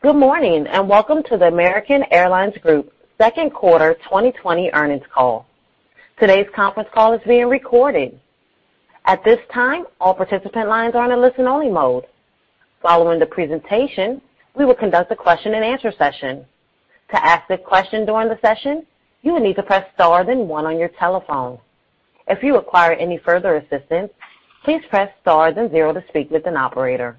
Good morning, welcome to the American Airlines Group second quarter 2020 earnings call. Today's conference call is being recorded. At this time, all participant lines are in listen only mode. Following the presentation, we will conduct a question and answer session. To ask a question during the session, you will need to press star then one on your telephone. If you require any further assistance, please press star then zero to speak with an operator.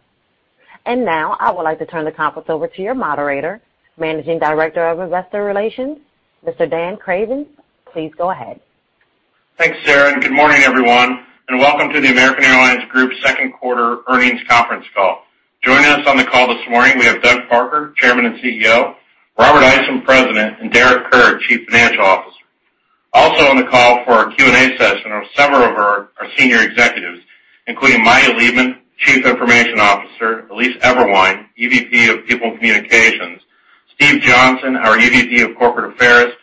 Now I would like to turn the conference over to your moderator, Managing Director of Investor Relations, Mr. Dan Cravens. Please go ahead. Thanks, Sarah. Good morning, everyone, and welcome to the American Airlines Group second quarter earnings conference call. Joining us on the call this morning, we have Doug Parker, Chairman and CEO, Robert Isom, President, and Derek Kerr, Chief Financial Officer. Also on the call for our Q&A session are several of our senior executives, including Maya Leibman, Chief Information Officer, Elise Eberwein, EVP of People and Communications, Steve Johnson, our EVP of Corporate Affairs,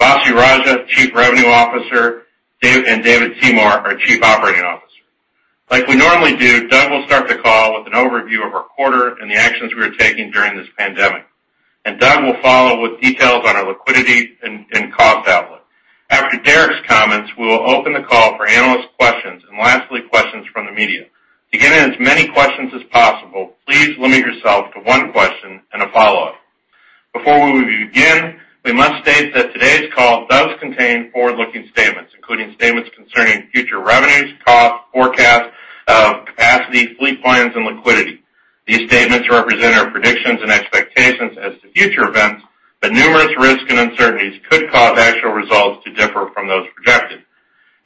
Vasu Raja, Chief Revenue Officer, and David Seymour, our Chief Operating Officer. Like we normally do, Doug will start the call with an overview of our quarter and the actions we are taking during this pandemic, and Doug will follow with details on our liquidity and cost outlook. After Derek's comments, we will open the call for analyst questions and lastly, questions from the media. To get in as many questions as possible, please limit yourself to one question and a follow-up. Before we begin, we must state that today's call does contain forward-looking statements, including statements concerning future revenues, costs, forecasts, capacity, fleet plans, and liquidity. These statements represent our predictions and expectations as to future events, but numerous risks and uncertainties could cause actual results to differ from those projected.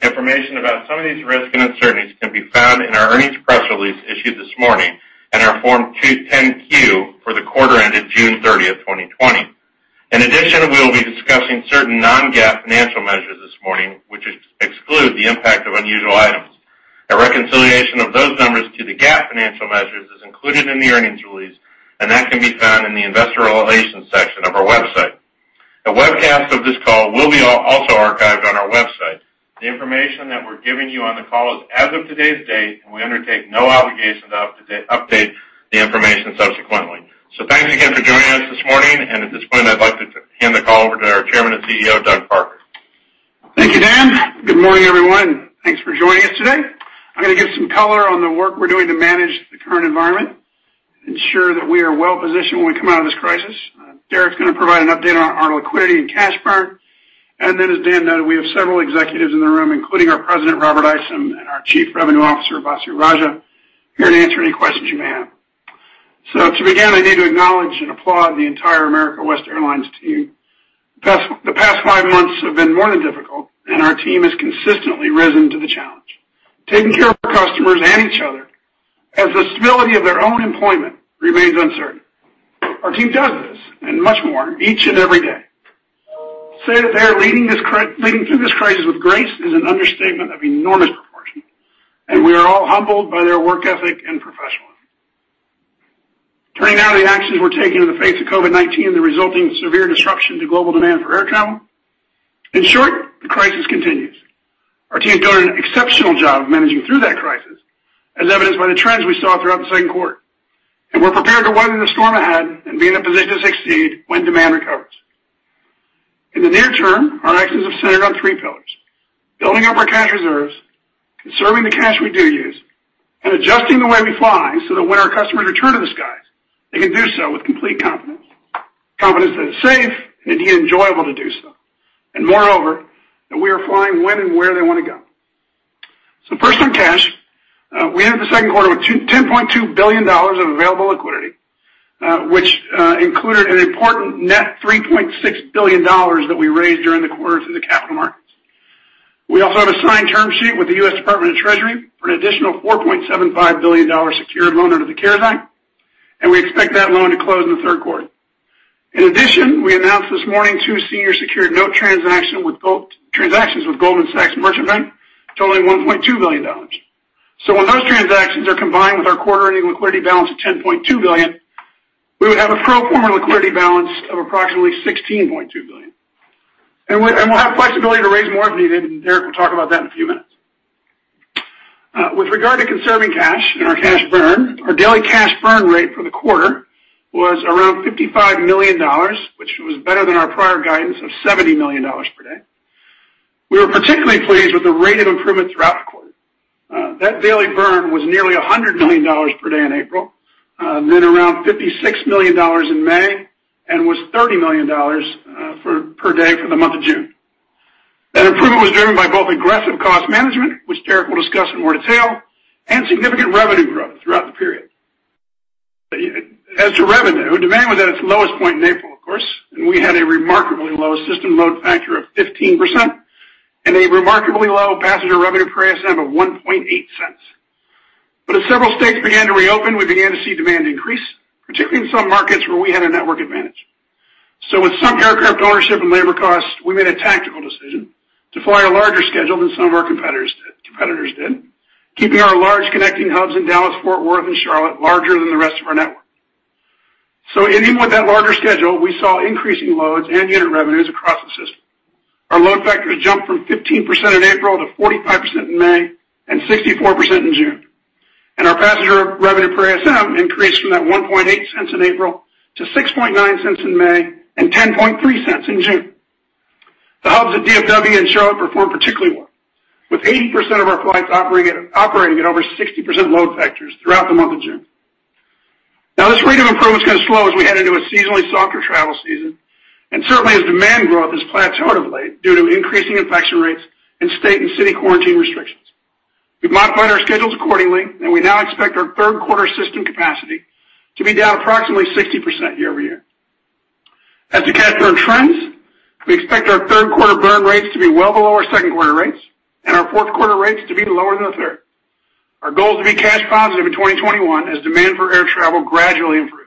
Information about some of these risks and uncertainties can be found in our earnings press release issued this morning and our Form 10-Q for the quarter ended June 30, 2020. In addition, we will be discussing certain non-GAAP financial measures this morning, which exclude the impact of unusual items. A reconciliation of those numbers to the GAAP financial measures is included in the earnings release, and that can be found in the investor relations section of our website. A webcast of this call will be also archived on our website. The information that we're giving you on the call is as of today's date, and we undertake no obligation to update the information subsequently. Thanks again for joining us this morning. At this point, I'd like to hand the call over to our Chairman and CEO, Doug Parker. Thank you, Dan. Good morning, everyone. Thanks for joining us today. I'm going to give some color on the work we're doing to manage the current environment and ensure that we are well-positioned when we come out of this crisis. Derek's going to provide an update on our liquidity and cash burn. As Dan noted, we have several executives in the room, including our President, Robert Isom, and our Chief Revenue Officer, Vasu Raja, here to answer any questions you may have. To begin, I need to acknowledge and applaud the entire America West Airlines team. The past five months have been more than difficult, and our team has consistently risen to the challenge, taking care of our customers and each other as the stability of their own employment remains uncertain. Our team does this and much more each and every day. To say that they are leading through this crisis with grace is an understatement of enormous proportion, and we are all humbled by their work ethic and professionalism. Turning now to the actions we're taking in the face of COVID-19 and the resulting severe disruption to global demand for air travel. In short, the crisis continues. Our team has done an exceptional job of managing through that crisis, as evidenced by the trends we saw throughout the second quarter. We're prepared to weather the storm ahead and be in a position to succeed when demand recovers. In the near term, our actions have centered on three pillars, building up our cash reserves, conserving the cash we do use, and adjusting the way we fly so that when our customers return to the skies, they can do so with complete confidence. Confidence that it's safe and indeed enjoyable to do so, and moreover, that we are flying when and where they want to go. First on cash. We ended the second quarter with $10.2 billion of available liquidity, which included an important net $3.6 billion that we raised during the quarter from the capital markets. We also have a signed term sheet with the U.S. Department of Treasury for an additional $4.75 billion secured loan under the CARES Act, and we expect that loan to close in the third quarter. In addition, we announced this morning two senior secured note transactions with Goldman Sachs Merchant Bank totaling $1.2 billion. When those transactions are combined with our quarter-ending liquidity balance of $10.2 billion, we would have a pro forma liquidity balance of approximately $16.2 billion. We'll have flexibility to raise more if needed, and Derek will talk about that in a few minutes. With regard to conserving cash and our cash burn, our daily cash burn rate for the quarter was around $55 million, which was better than our prior guidance of $70 million per day. We were particularly pleased with the rate of improvement throughout the quarter. That daily burn was nearly $100 million per day in April, then around $56 million in May, and was $30 million per day for the month of June. That improvement was driven by both aggressive cost management, which Derek will discuss in more detail, and significant revenue growth throughout the period. As to revenue, demand was at its lowest point in April, of course, and we had a remarkably low system load factor of 15% and a remarkably low passenger revenue per ASM of $0.018. As several states began to reopen, we began to see demand increase, particularly in some markets where we had a network advantage. With some aircraft ownership and labor costs, we made a tactical decision to fly a larger schedule than some of our competitors did, keeping our large connecting hubs in Dallas, Fort Worth, and Charlotte larger than the rest of our network. Even with that larger schedule, we saw increasing loads and unit revenues across the system. Our load factors jumped from 15% in April to 45% in May and 64% in June. Our passenger revenue per ASM increased from that $0.018 in April to $0.069 in May and $0.103 in June. The hubs at DFW and Charlotte performed particularly well, with 80% of our flights operating at over 60% load factors throughout the month of June. This rate of improvement is going to slow as we head into a seasonally softer travel season, and certainly as demand growth has plateaued of late due to increasing infection rates and state and city quarantine restrictions. We've modified our schedules accordingly, and we now expect our third quarter system capacity to be down approximately 60% year-over-year. As to cash burn trends, we expect our third quarter burn rates to be well below our second quarter rates and our fourth quarter rates to be lower than the third. Our goal is to be cash positive in 2021 as demand for air travel gradually improves.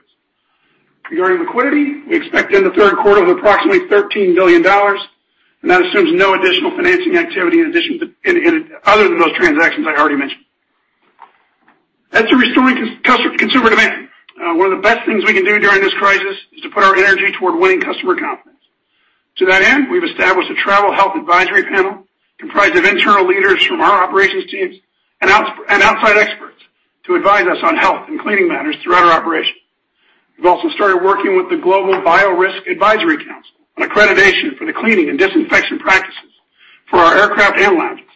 Regarding liquidity, we expect to end the third quarter with approximately $13 billion, and that assumes no additional financing activity other than those transactions I already mentioned. As to restoring consumer demand, one of the best things we can do during this crisis is to put our energy toward winning customer confidence. To that end, we've established a travel health advisory panel comprised of internal leaders from our operations teams and outside experts to advise us on health and cleaning matters throughout our operation. We've also started working with the Global Biorisk Advisory Council on accreditation for the cleaning and disinfection practices for our aircraft and lounges.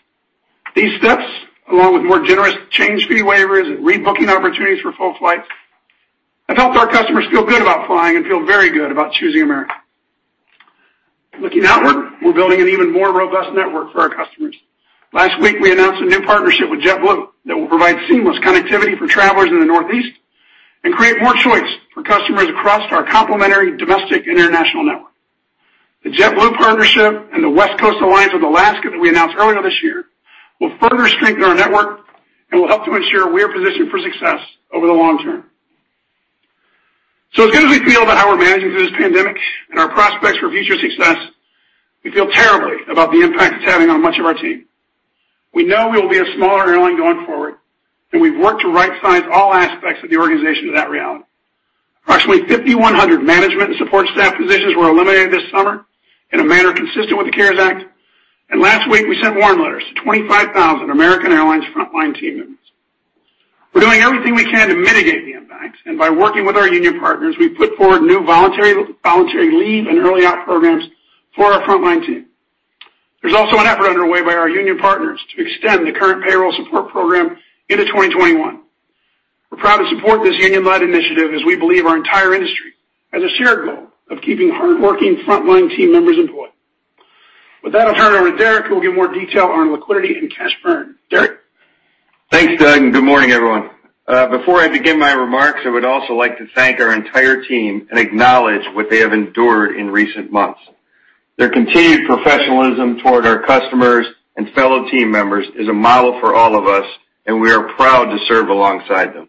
These steps, along with more generous change fee waivers and rebooking opportunities for full flights, have helped our customers feel good about flying and feel very good about choosing American. Looking outward, we're building an even more robust network for our customers. Last week, we announced a new partnership with JetBlue that will provide seamless connectivity for travelers in the Northeast and create more choice for customers across our complementary domestic and international network. The JetBlue partnership and the West Coast alliance with Alaska that we announced earlier this year will further strengthen our network and will help to ensure we are positioned for success over the long term. As good as we feel about how we're managing through this pandemic and our prospects for future success, we feel terribly about the impact it's having on much of our team. We know we will be a smaller airline going forward, and we've worked to right size all aspects of the organization to that reality. Approximately 5,100 management and support staff positions were eliminated this summer in a manner consistent with the CARES Act, and last week, we sent warn letters to 25,000 American Airlines frontline team members. We're doing everything we can to mitigate the impacts, and by working with our union partners, we've put forward new voluntary leave and early out programs for our frontline team. There's also an effort underway by our union partners to extend the current Payroll Support Program into 2021. We're proud to support this union-led initiative as we believe our entire industry has a shared goal of keeping hardworking frontline team members employed. With that, I'll turn it over to Derek, who will give more detail on liquidity and cash burn. Derek? Thanks, Doug, and good morning, everyone. Before I begin my remarks, I would also like to thank our entire team and acknowledge what they have endured in recent months. Their continued professionalism toward our customers and fellow team members is a model for all of us, and we are proud to serve alongside them.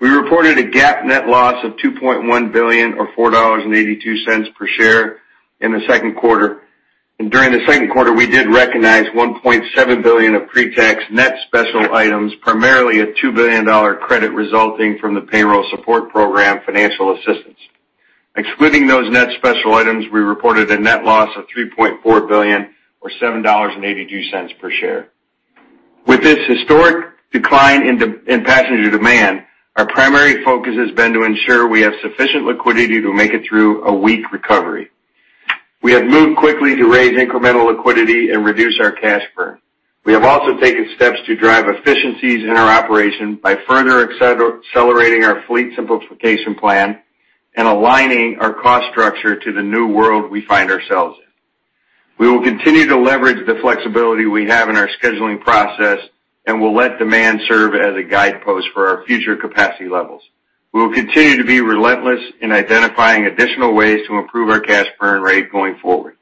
We reported a GAAP net loss of $2.1 billion or $4.82 per share in the second quarter. During the second quarter, we did recognize $1.7 billion of pre-tax net special items, primarily a $2 billion credit resulting from the payroll support program financial assistance. Excluding those net special items, we reported a net loss of $3.4 billion or $7.82 per share. With this historic decline in passenger demand, our primary focus has been to ensure we have sufficient liquidity to make it through a weak recovery. We have moved quickly to raise incremental liquidity and reduce our cash burn. We have also taken steps to drive efficiencies in our operation by further accelerating our Fleet Simplification Plan and aligning our cost structure to the new world we find ourselves in. We will continue to leverage the flexibility we have in our scheduling process and will let demand serve as a guidepost for our future capacity levels. We will continue to be relentless in identifying additional ways to improve our cash burn rate going forward.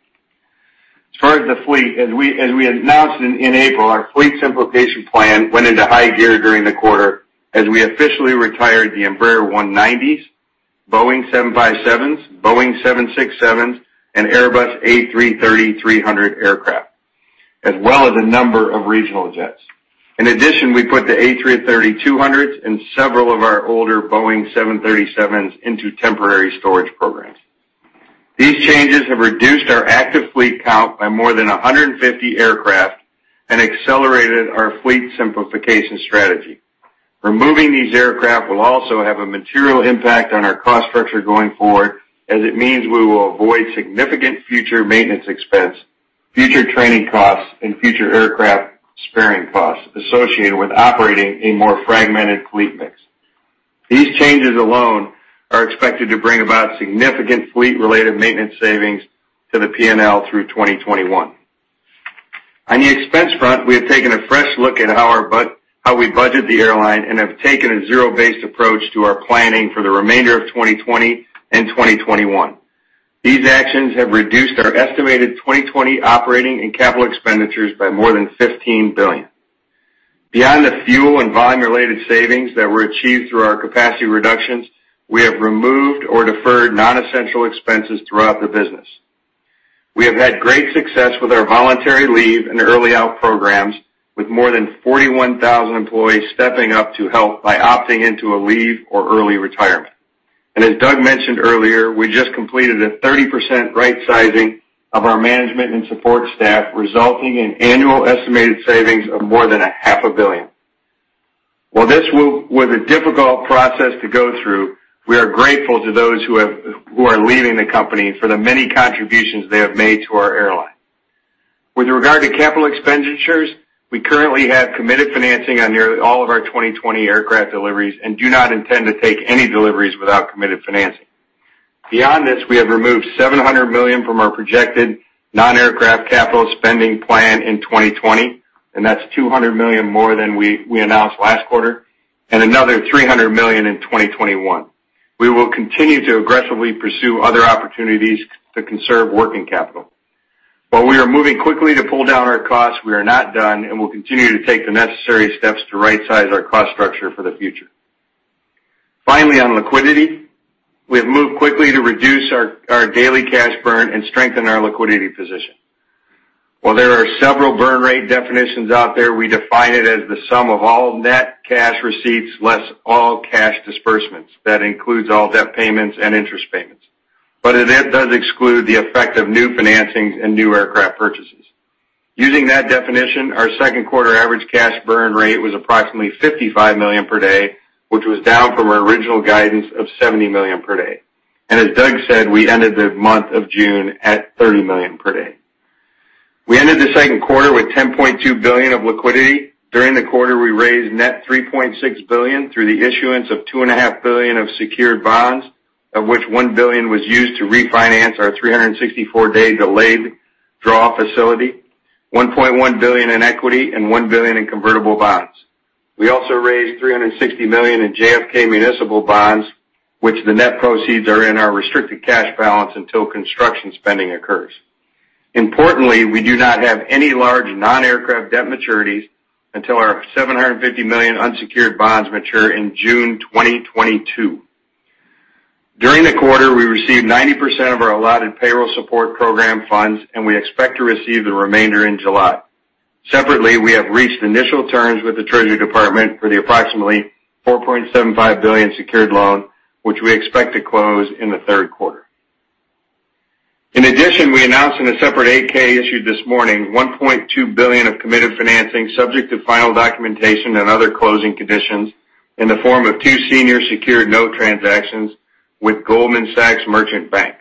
As far as the fleet, as we announced in April, our Fleet Simplification Plan went into high gear during the quarter as we officially retired the Embraer 190s, Boeing 757s, Boeing 767s, and Airbus A330-300 aircraft, as well as a number of regional jets. In addition, we put the A330-200s and several of our older Boeing 737s into temporary storage programs. These changes have reduced our active fleet count by more than 150 aircraft and accelerated our fleet simplification strategy. Removing these aircraft will also have a material impact on our cost structure going forward, as it means we will avoid significant future maintenance expense, future training costs, and future aircraft sparing costs associated with operating a more fragmented fleet mix. These changes alone are expected to bring about significant fleet-related maintenance savings to the P&L through 2021. On the expense front, we have taken a fresh look at how we budget the airline and have taken a zero-based approach to our planning for the remainder of 2020 and 2021. These actions have reduced our estimated 2020 operating and capital expenditures by more than $15 billion. Beyond the fuel and volume-related savings that were achieved through our capacity reductions, we have removed or deferred non-essential expenses throughout the business. We have had great success with our voluntary leave and early out programs with more than 41,000 employees stepping up to help by opting into a leave or early retirement. As Doug mentioned earlier, we just completed a 30% right-sizing of our management and support staff, resulting in annual estimated savings of more than a half a billion. While this was a difficult process to go through, we are grateful to those who are leaving the company for the many contributions they have made to our airline. With regard to capital expenditures, we currently have committed financing on nearly all of our 2020 aircraft deliveries and do not intend to take any deliveries without committed financing. Beyond this, we have removed $700 million from our projected non-aircraft capital spending plan in 2020. That's $200 million more than we announced last quarter. Another $300 million in 2021. We will continue to aggressively pursue other opportunities to conserve working capital. While we are moving quickly to pull down our costs, we are not done, and we'll continue to take the necessary steps to right-size our cost structure for the future. Finally, on liquidity, we have moved quickly to reduce our daily cash burn and strengthen our liquidity position. While there are several burn rate definitions out there, we define it as the sum of all net cash receipts less all cash disbursements. That includes all debt payments and interest payments, but it does exclude the effect of new financings and new aircraft purchases. Using that definition, our second quarter average cash burn rate was approximately $55 million per day, which was down from our original guidance of $70 million per day. As Doug said, we ended the month of June at $30 million per day. We ended the second quarter with $10.2 billion of liquidity. During the quarter, we raised net $3.6 billion through the issuance of $2.5 billion of secured bonds, of which $1 billion was used to refinance our 364-day delayed draw facility, $1.1 billion in equity and $1 billion in convertible bonds. We also raised $360 million in JFK municipal bonds, which the net proceeds are in our restricted cash balance until construction spending occurs. Importantly, we do not have any large non-aircraft debt maturities until our $750 million unsecured bonds mature in June 2022. During the quarter, we received 90% of our allotted Payroll Support Program funds, and we expect to receive the remainder in July. Separately, we have reached initial terms with the Treasury Department for the approximately $4.75 billion secured loan, which we expect to close in the third quarter. In addition, we announced in a separate 8-K issued this morning, $1.2 billion of committed financing subject to final documentation and other closing conditions in the form of two senior secured note transactions with Goldman Sachs Merchant Bank.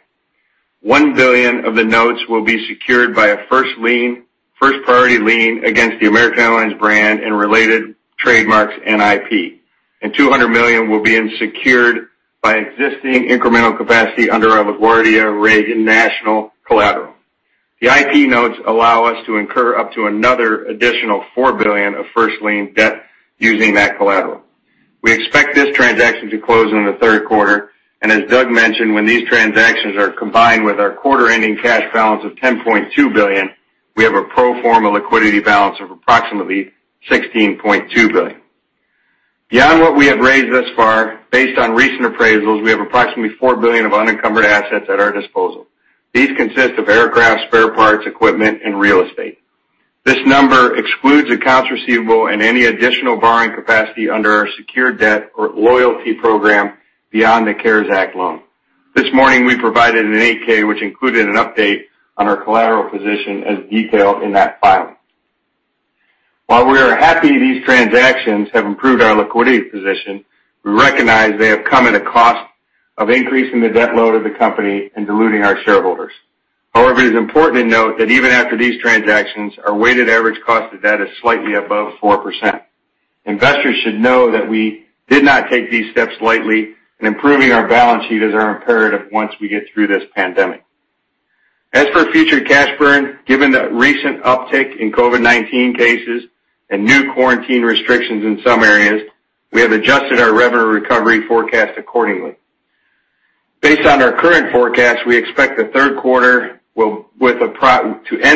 $1 billion of the notes will be secured by a first priority lien against the American Airlines brand and related trademarks and IP. $200 million will be in secured by existing incremental capacity under our LaGuardia/Reagan National collateral. The IP notes allow us to incur up to another additional $4 billion of first lien debt using that collateral. We expect this transaction to close in the third quarter, and as Doug mentioned, when these transactions are combined with our quarter-ending cash balance of $10.2 billion, we have a pro forma liquidity balance of approximately $16.2 billion. Beyond what we have raised thus far, based on recent appraisals, we have approximately $4 billion of unencumbered assets at our disposal. These consist of aircraft, spare parts, equipment, and real estate. This number excludes accounts receivable and any additional borrowing capacity under our secured debt or loyalty program beyond the CARES Act loan. This morning, we provided an 8-K, which included an update on our collateral position as detailed in that filing. While we are happy these transactions have improved our liquidity position, we recognize they have come at a cost of increasing the debt load of the company and diluting our shareholders. However, it is important to note that even after these transactions, our weighted average cost of debt is slightly above 4%. Investors should know that we did not take these steps lightly, and improving our balance sheet is our imperative once we get through this pandemic. As for future cash burn, given the recent uptick in COVID-19 cases and new quarantine restrictions in some areas, we have adjusted our revenue recovery forecast accordingly. Based on our current forecast, we expect to end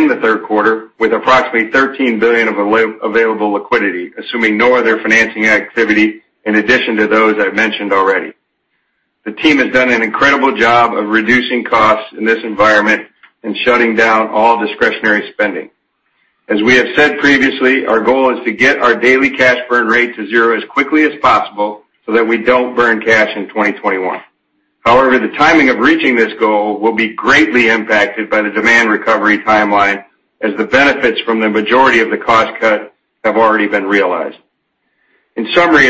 the third quarter with approximately $13 billion of available liquidity, assuming no other financing activity in addition to those I've mentioned already. The team has done an incredible job of reducing costs in this environment and shutting down all discretionary spending. As we have said previously, our goal is to get our daily cash burn rate to zero as quickly as possible so that we don't burn cash in 2021. However, the timing of reaching this goal will be greatly impacted by the demand recovery timeline as the benefits from the majority of the cost cuts have already been realized. In summary,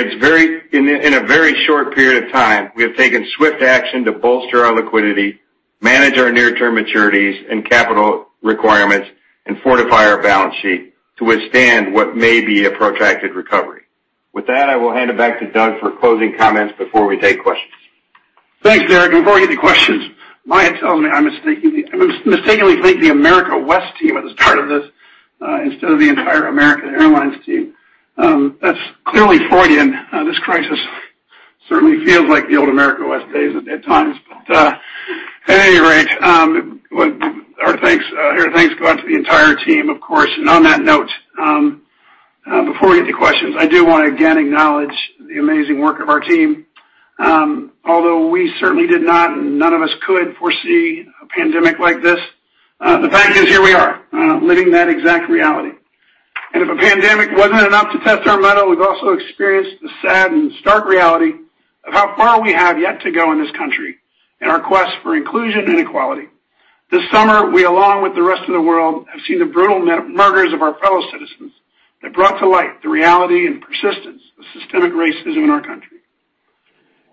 in a very short period of time, we have taken swift action to bolster our liquidity, manage our near-term maturities and capital requirements, and fortify our balance sheet to withstand what may be a protracted recovery. With that, I will hand it back to Doug for closing comments before we take questions. Thanks, Derek. Before I get to questions, Maya tells me I mistakenly thanked the America West team at the start of this instead of the entire American Airlines team. That's clearly Freudian. This crisis certainly feels like the old America West days at times. At any rate, our thanks go out to the entire team, of course. On that note, before we get to questions, I do want to again acknowledge the amazing work of our team. Although we certainly did not, and none of us could foresee a pandemic like this, the fact is here we are living that exact reality. If a pandemic wasn't enough to test our mettle, we've also experienced the sad and stark reality of how far we have yet to go in this country in our quest for inclusion and equality. This summer, we, along with the rest of the world, have seen the brutal murders of our fellow citizens that brought to light the reality and persistence of systemic racism in our country.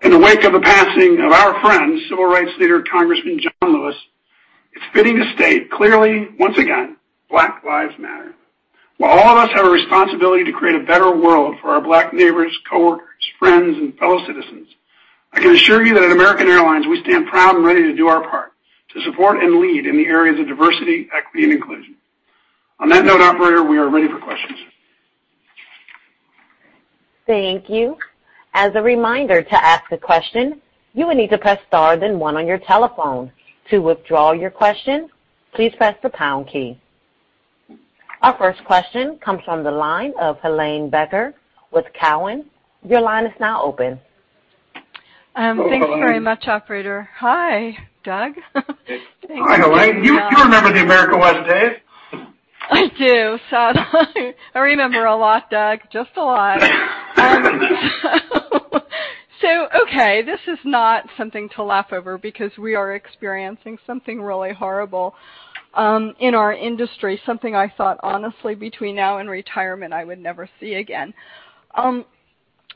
In the wake of the passing of our friend, civil rights leader Congressman John Lewis, it's fitting to state clearly, once again, Black Lives Matter. While all of us have a responsibility to create a better world for our Black neighbors, coworkers, friends, and fellow citizens, I can assure you that at American Airlines, we stand proud and ready to do our part to support and lead in the areas of diversity, equity, and inclusion. On that note, Operator, we are ready for questions. Thank you. As a reminder, to ask a question, you will need to press star then one on your telephone. To withdraw your question, please press the pound key. Our first question comes from the line of Helane Becker with Cowen. Your line is now open. Thank you very much, operator. Hi, Doug. Hi, Helane. You remember the America West days. I do. I remember a lot, Doug. Just a lot. Okay, this is not something to laugh over because we are experiencing something really horrible in our industry, something I thought honestly between now and retirement I would never see again. I’m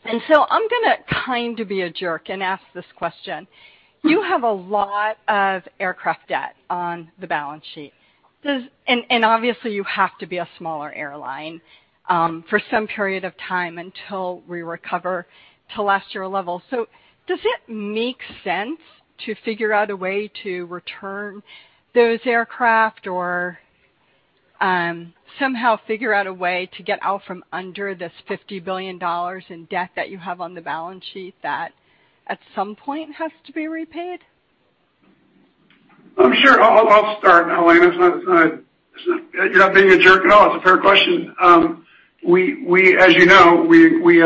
going to kind of be a jerk and ask this question. You have a lot of aircraft debt on the balance sheet. Obviously you have to be a smaller airline for some period of time until we recover to last year level. Does it make sense to figure out a way to return those aircraft or somehow figure out a way to get out from under this $50 billion in debt that you have on the balance sheet that at some point has to be repaid? I'm sure I'll start, Helane. You're not being a jerk at all. It's a fair question. As you know, we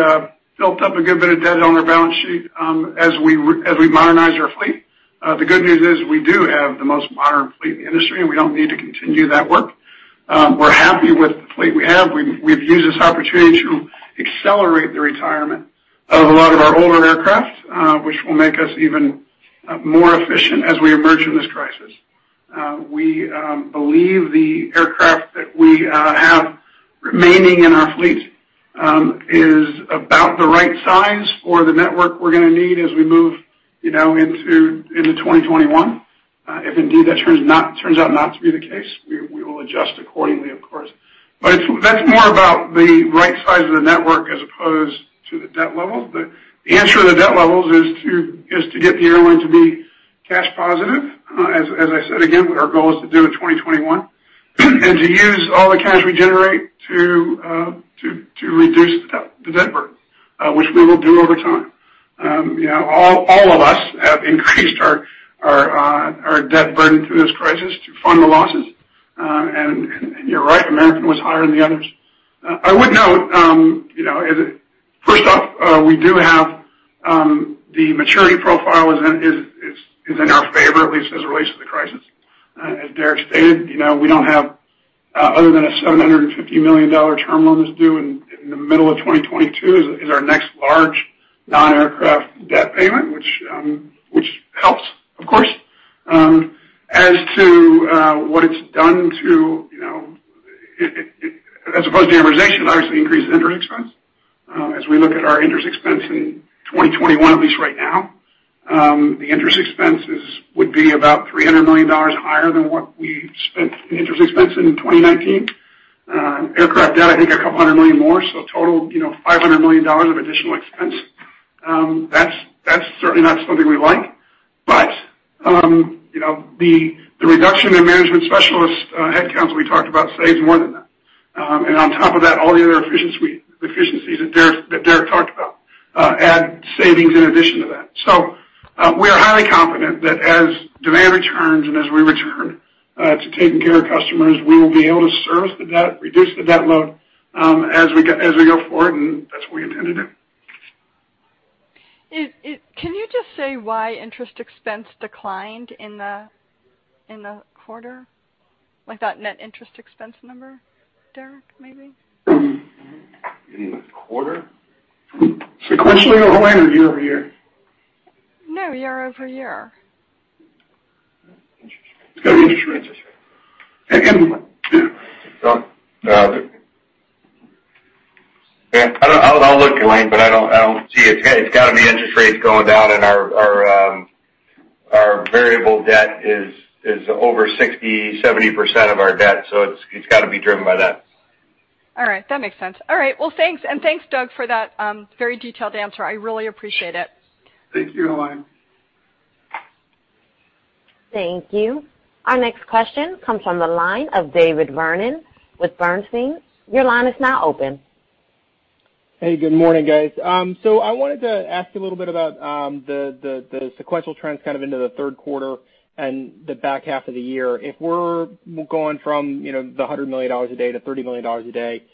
built up a good bit of debt on our balance sheet as we modernized our fleet. The good news is we do have the most modern fleet in the industry and we don't need to continue that work. We're happy with the fleet we have. We've used this opportunity to accelerate the retirement of a lot of our older aircraft which will make us even more efficient as we emerge from this crisis. We believe the aircraft that we have remaining in our fleet is about the right size for the network we're going to need as we move into 2021. If indeed that turns out not to be the case, we will adjust accordingly, of course. That's more about the right size of the network as opposed to the debt level. The answer to the debt level is to get the airline to be cash positive, as I said again, what our goal is to do in 2021. To use all the cash we generate to reduce the debt burden which we will do over time. All of us have increased our debt burden through this crisis to fund the losses. You're right, American was higher than the others. I would note, first off, we do have the maturity profile is in our favor, at least as it relates to the crisis. As Derek stated, we don't have, other than a $750 million term loan that's due in the middle of 2022 is our next large non-aircraft debt payment which helps, of course. As to what it's done to, as opposed to amortization, it obviously increases interest expense. As we look at our interest expense in 2021, at least right now, the interest expenses would be about $300 million higher than what we spent in interest expense in 2019. Aircraft debt, I think, $200 million more. Total $500 million of additional expense. That's certainly not something we like. The reduction in management specialist headcount as we talked about saves more than that. On top of that, all the other efficiencies that Derek talked about add savings in addition to that. We are highly confident that as demand returns and as we return to taking care of customers, we will be able to service the debt, reduce the debt load as we go forward and that's what we intend to do. If, can you just say why interest expense declined in the quarter? Like that net interest expense number, Derek, maybe? In the quarter? Sequentially, Helane, or year-over-year? No, year-over-year. It's got to be interest rates. I'll look, Helane, but I don't see it. It's got to be interest rates going down and our variable debt is over 60, 70% of our debt, so it's got to be driven by that. All right. That makes sense. All right. Well, thanks. Thanks, Doug, for that very detailed answer. I really appreciate it. Thank you, Helane. Thank you. Our next question comes from the line of David Vernon with Bernstein. Your line is now open. Hey, good morning, guys. I wanted to ask a little bit about the sequential trends kind of into the third quarter and the back half of the year. If we're going from the $100 million a day to $30 million a day,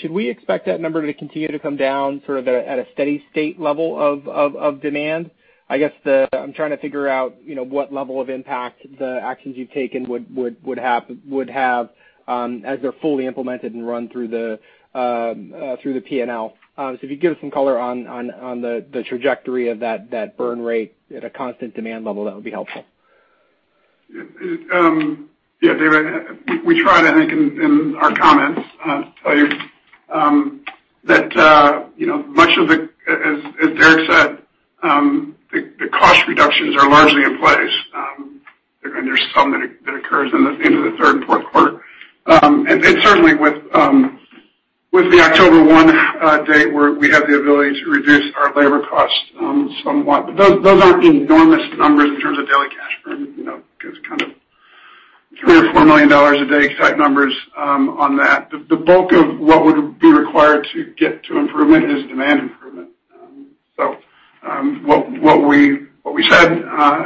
should we expect that number to continue to come down sort of at a steady state level of demand? I guess I'm trying to figure out what level of impact the actions you've taken would have as they're fully implemented and run through the P&L. If you could give us some color on the trajectory of that burn rate at a constant demand level, that would be helpful. David, we tried, I think, in our comments to tell you that much of the, as Derek said, the cost reductions are largely in place. There's some that occurs in the end of the third and fourth quarter. Certainly with the October 1 date, we have the ability to reduce our labor costs somewhat. Those aren't enormous numbers in terms of daily cash burn. It's kind of $3 million or $4 million a day type numbers on that. The bulk of what would be required to get to improvement is demand improvement. What we said,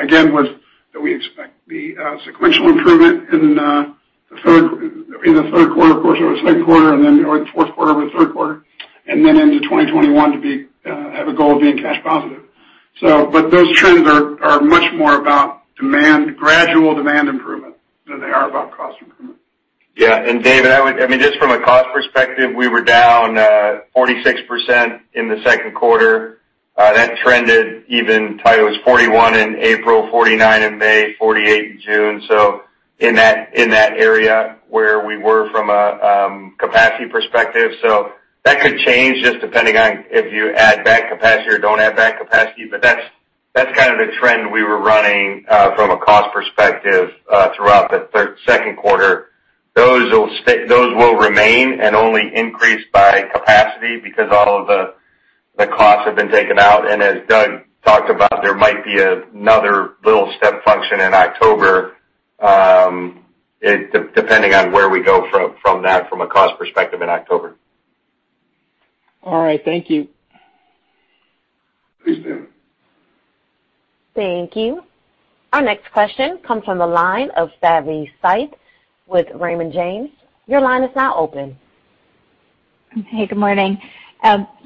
again, was that we expect the sequential improvement in the third quarter versus the second quarter, and then the fourth quarter over the third quarter, and then into 2021 to have a goal of being cash positive. Those trends are much more about gradual demand improvement than they are about cost improvement. Yeah. David, just from a cost perspective, we were down 46% in the second quarter. That trended even till it was 41% in April, 49% in May, 48% in June. In that area where we were from a capacity perspective. That could change just depending on if you add back capacity or don't add back capacity. That's kind of the trend we were running from a cost perspective throughout the second quarter. Those will remain and only increase by capacity because all of the costs have been taken out. As Doug talked about, there might be another little step function in October, depending on where we go from that from a cost perspective in October. All right. Thank you. Thanks, David. Thank you. Our next question comes from the line of Savanthi Syth with Raymond James. Your line is now open. Hey, good morning.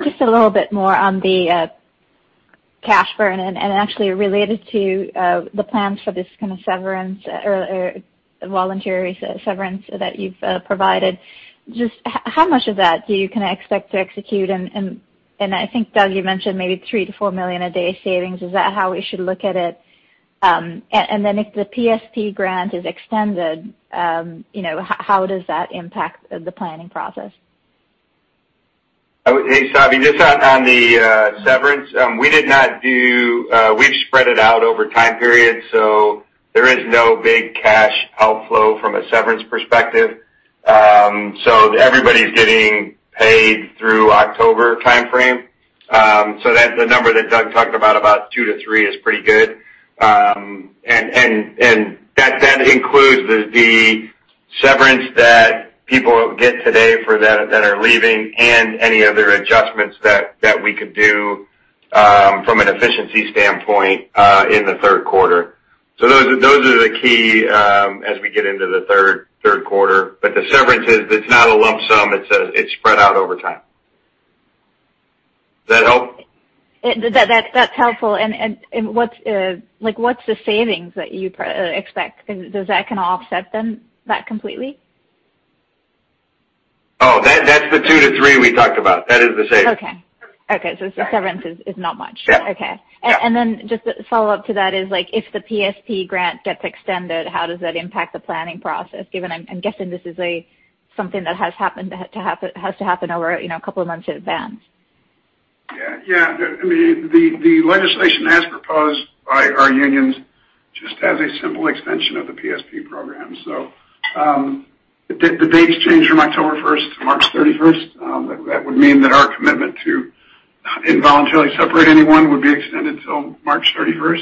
Just a little bit more on the cash burn and actually related to the plans for this kind of severance or voluntary severance that you've provided. Just how much of that do you kind of expect to execute? I think, Doug, you mentioned maybe $3 million-$4 million a day savings. Is that how we should look at it? If the PSP grant is extended, how does that impact the planning process? Hey, Savi. Just on the severance, we've spread it out over time periods, so there is no big cash outflow from a severance perspective. Everybody's getting paid through October timeframe. That the number that Doug talked about two to three is pretty good. That includes the severance that people get today that are leaving and any other adjustments that we could do from an efficiency standpoint in the third quarter. Those are the key as we get into the third quarter. The severance is, it's not a lump sum, it's spread out over time. Does that help? That's helpful. What's the savings that you expect? Does that kind of offset that completely? Oh, that's the two to three we talked about. That is the savings. Okay. The severance is not much. Yeah. Okay. Yeah. Just a follow-up to that is, if the PSP grant gets extended, how does that impact the planning process, given I'm guessing this is something that has to happen over a couple of months in advance. Yeah. The legislation as proposed by our unions just has a simple extension of the PSP program. The dates change from October 1st to March 31st. That would mean that our commitment to involuntarily separate anyone would be extended till March 31st.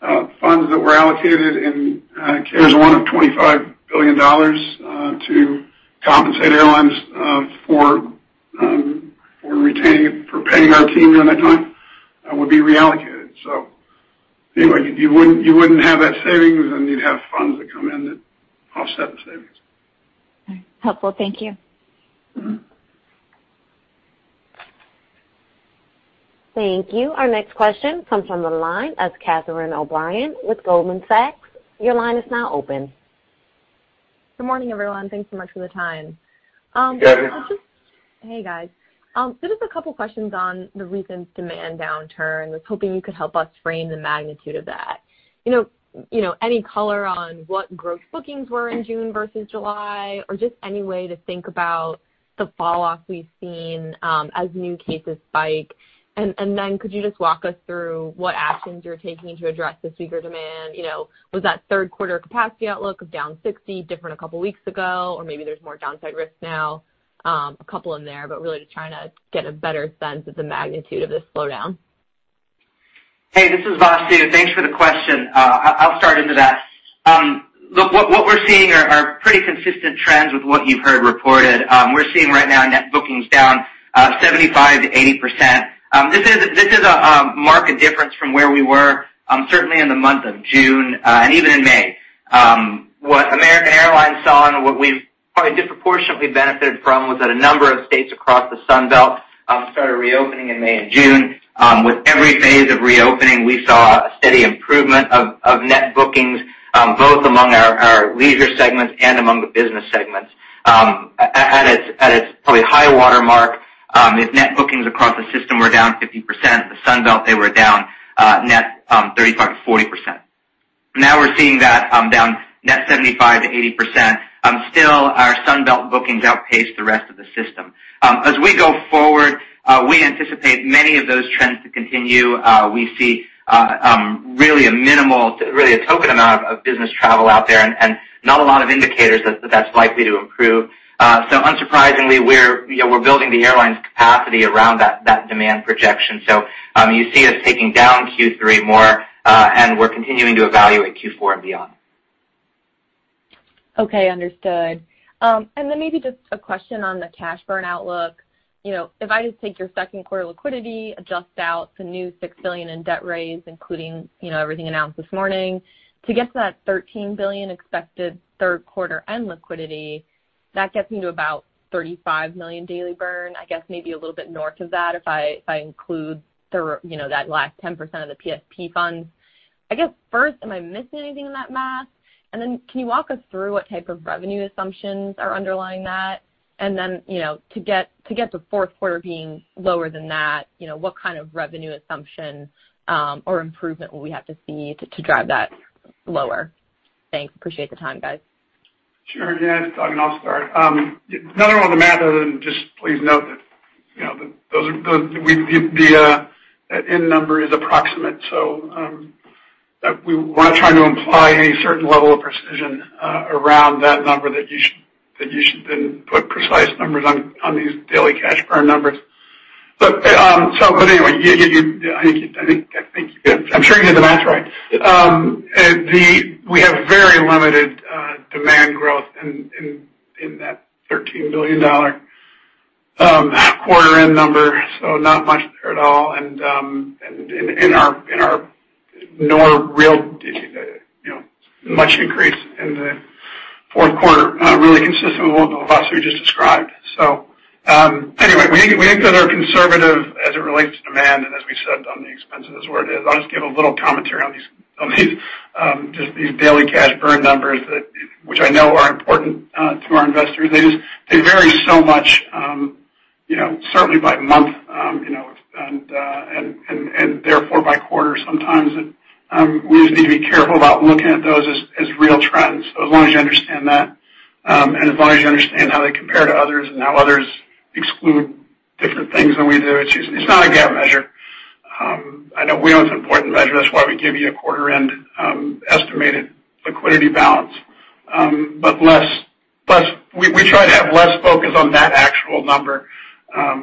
The funds that were allocated in CARES one of $25 billion to compensate airlines for paying our team during that time would be reallocated. You wouldn't have that savings, and you'd have funds that come in that offset the savings. Okay. Helpful. Thank you. Thank you. Our next question comes from the line of Catherine O'Brien with Goldman Sachs. Your line is now open. Good morning, everyone. Thanks so much for the time. Catherine. Just a couple of questions on the recent demand downturn. I was hoping you could help us frame the magnitude of that. Any color on what gross bookings were in June versus July, or just any way to think about the falloff we've seen as new cases spike? Could you just walk us through what actions you're taking to address the weaker demand? Was that third quarter capacity outlook of down 60% different a couple of weeks ago, or maybe there's more downside risk now? A couple in there, really just trying to get a better sense of the magnitude of this slowdown. Hey, this is Vasu. Thanks for the question. I'll start into that. Look, what we're seeing are pretty consistent trends with what you've heard reported. We're seeing right now net bookings down 75%-80%. This is a marked difference from where we were certainly in the month of June and even in May. What American Airlines saw and what we've probably disproportionately benefited from was that a number of states across the Sun Belt started reopening in May and June. With every phase of reopening, we saw a steady improvement of net bookings both among our leisure segments and among the business segments. High water mark. If net bookings across the system were down 50%, the Sun Belt, they were down net 35%-40%. Now we're seeing that down net 75%-80%. Still, our Sun Belt bookings outpace the rest of the system. As we go forward, we anticipate many of those trends to continue. We see really a minimal, really a token amount of business travel out there, and not a lot of indicators that that's likely to improve. Unsurprisingly, we're building the airline's capacity around that demand projection. You see us taking down Q3 more, and we're continuing to evaluate Q4 and beyond. Okay, understood. Then maybe just a question on the cash burn outlook. If I just take your second quarter liquidity, adjust out the new $6 billion in debt raise, including everything announced this morning, to get to that $13 billion expected third quarter end liquidity, that gets me to about $35 million daily burn. I guess maybe a little bit north of that if I include that last 10% of the PSP funds. I guess, first, am I missing anything in that math? Then can you walk us through what type of revenue assumptions are underlying that? Then, to get to fourth quarter being lower than that, what kind of revenue assumption or improvement will we have to see to drive that lower? Thanks. Appreciate the time, guys. Sure. Yeah, it's Doug. I'll start. Not at all on the math, other than just please note that the end number is approximate. We're not trying to imply any certain level of precision around that number that you should then put precise numbers on these daily cash burn numbers. Anyway, I'm sure you did the math right. We have very limited demand growth in that $13 billion quarter end number, so not much there at all. Nor real much increase in the fourth quarter, really consistent with what Vasu just described. Anyway, we think those are conservative as it relates to demand, and as we said on the expenses, where it is. I'll just give a little commentary on these daily cash burn numbers, which I know are important to our investors. They vary so much certainly by month, and therefore by quarter sometimes. We just need to be careful about looking at those as real trends. As long as you understand that, and as long as you understand how they compare to others and how others exclude different things than we do, it's not a bad measure. I know we know it's an important measure. That's why we give you a quarter-end estimated liquidity balance. We try to have less focus on that actual number,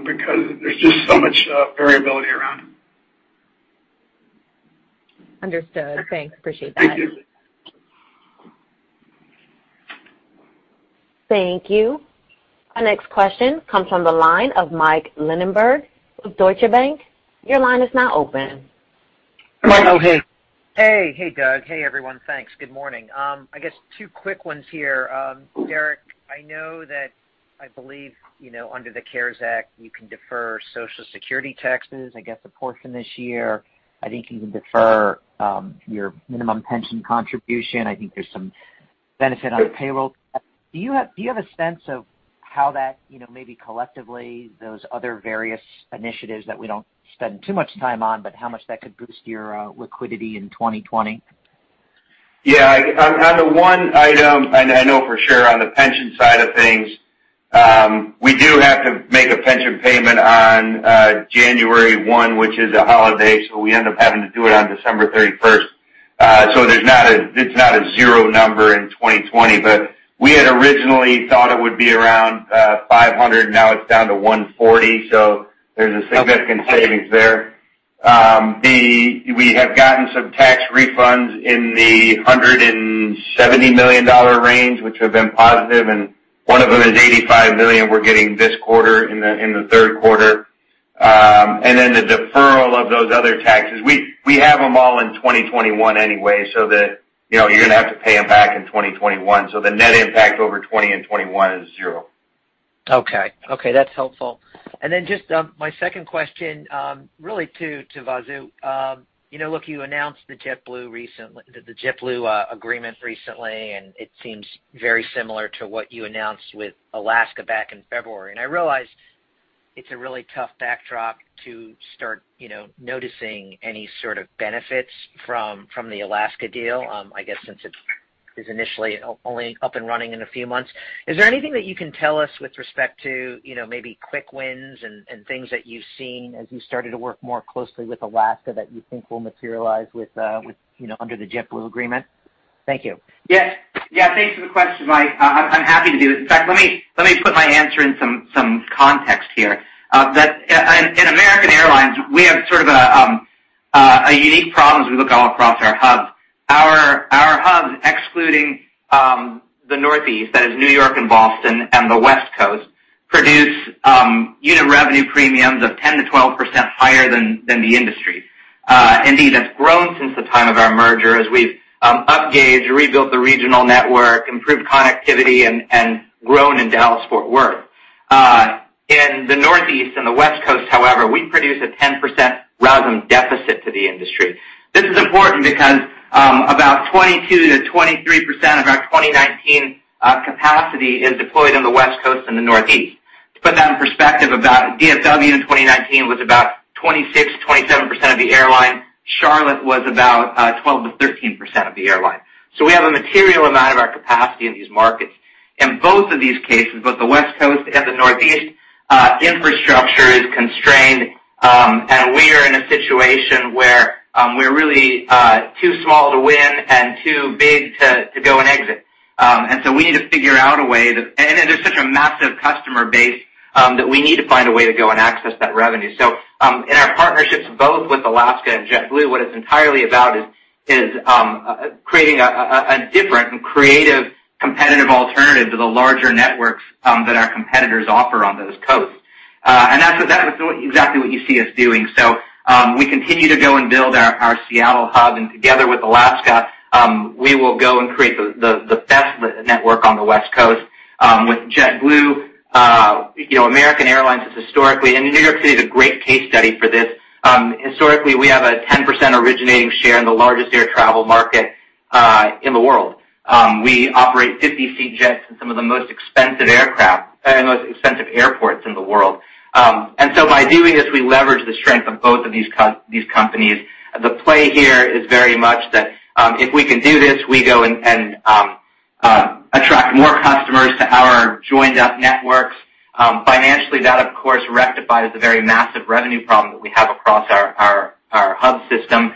because there's just so much variability around it. Understood. Thanks, appreciate that. Thank you. Thank you. Our next question comes from the line of Michael Linenberg of Deutsche Bank. Your line is now open. Hello. Hey. Hey. Hey, Doug. Hey, everyone. Thanks. Good morning. I guess two quick ones here. Derek, I know that I believe under the CARES Act, you can defer Social Security taxes, I guess a portion this year. I think you can defer your minimum pension contribution. I think there's some benefit on payroll. Do you have a sense of how that, maybe collectively, those other various initiatives that we don't spend too much time on, but how much that could boost your liquidity in 2020? Yeah. On the one item I know for sure, on the pension side of things, we do have to make a pension payment on January 1, which is a holiday, so we end up having to do it on December 31st. It's not a zero number in 2020. We had originally thought it would be around $500 million. Now it's down to $140 million. There's a significant savings there. We have gotten some tax refunds in the $170 million range, which have been positive, and one of them is $85 million we're getting this quarter in the third quarter. Then the deferral of those other taxes, we have them all in 2021 anyway, so that you're going to have to pay them back in 2021. The net impact over 2020 and 2021 is zero. Okay. That's helpful. Then just my second question, really to Vasu. Look, you announced the JetBlue agreement recently, and it seems very similar to what you announced with Alaska back in February. I realize it's a really tough backdrop to start noticing any sort of benefits from the Alaska deal, I guess since it's initially only up and running in a few months. Is there anything that you can tell us with respect to maybe quick wins and things that you've seen as you started to work more closely with Alaska that you think will materialize under the JetBlue agreement? Thank you. Yes. Thanks for the question, Mike. I'm happy to do this. In fact, let me put my answer in some context here. In American Airlines, we have sort of a unique problem as we look all across our hubs. Our hubs, excluding the Northeast, that is New York and Boston, and the West Coast, produce unit revenue premiums of 10%-12% higher than the industry. It's grown since the time of our merger as we've up gauged, rebuilt the regional network, improved connectivity, and grown in Dallas, Fort Worth. In the Northeast and the West Coast, however, we produce a 10% RASM deficit to the industry. This is important because about 22% to 2019 capacity is deployed on the West Coast and the Northeast. To put that in perspective, DFW in 2019 was about 26%-27% of the airline. Charlotte was about 12%-13% of the airline. We have a material amount of our capacity in these markets. In both of these cases, both the West Coast and the Northeast, infrastructure is constrained, and we are in a situation where we're really too small to win and too big to go and exit. It is such a massive customer base that we need to find a way to go and access that revenue. In our partnerships both with Alaska and JetBlue, what it's entirely about is creating a different and creative competitive alternative to the larger networks that our competitors offer on those coasts. That is exactly what you see us doing. We continue to go and build our Seattle hub, and together with Alaska, we will go and create the best network on the West Coast. With JetBlue, American Airlines is historically, and New York City is a great case study for this, historically we have a 10% originating share in the largest air travel market in the world. We operate 50-seat jets and some of the most expensive airports in the world. By doing this, we leverage the strength of both of these companies. The play here is very much that if we can do this, we go and attract more customers to our joined-up networks. Financially, that of course rectifies a very massive revenue problem that we have across our hub system.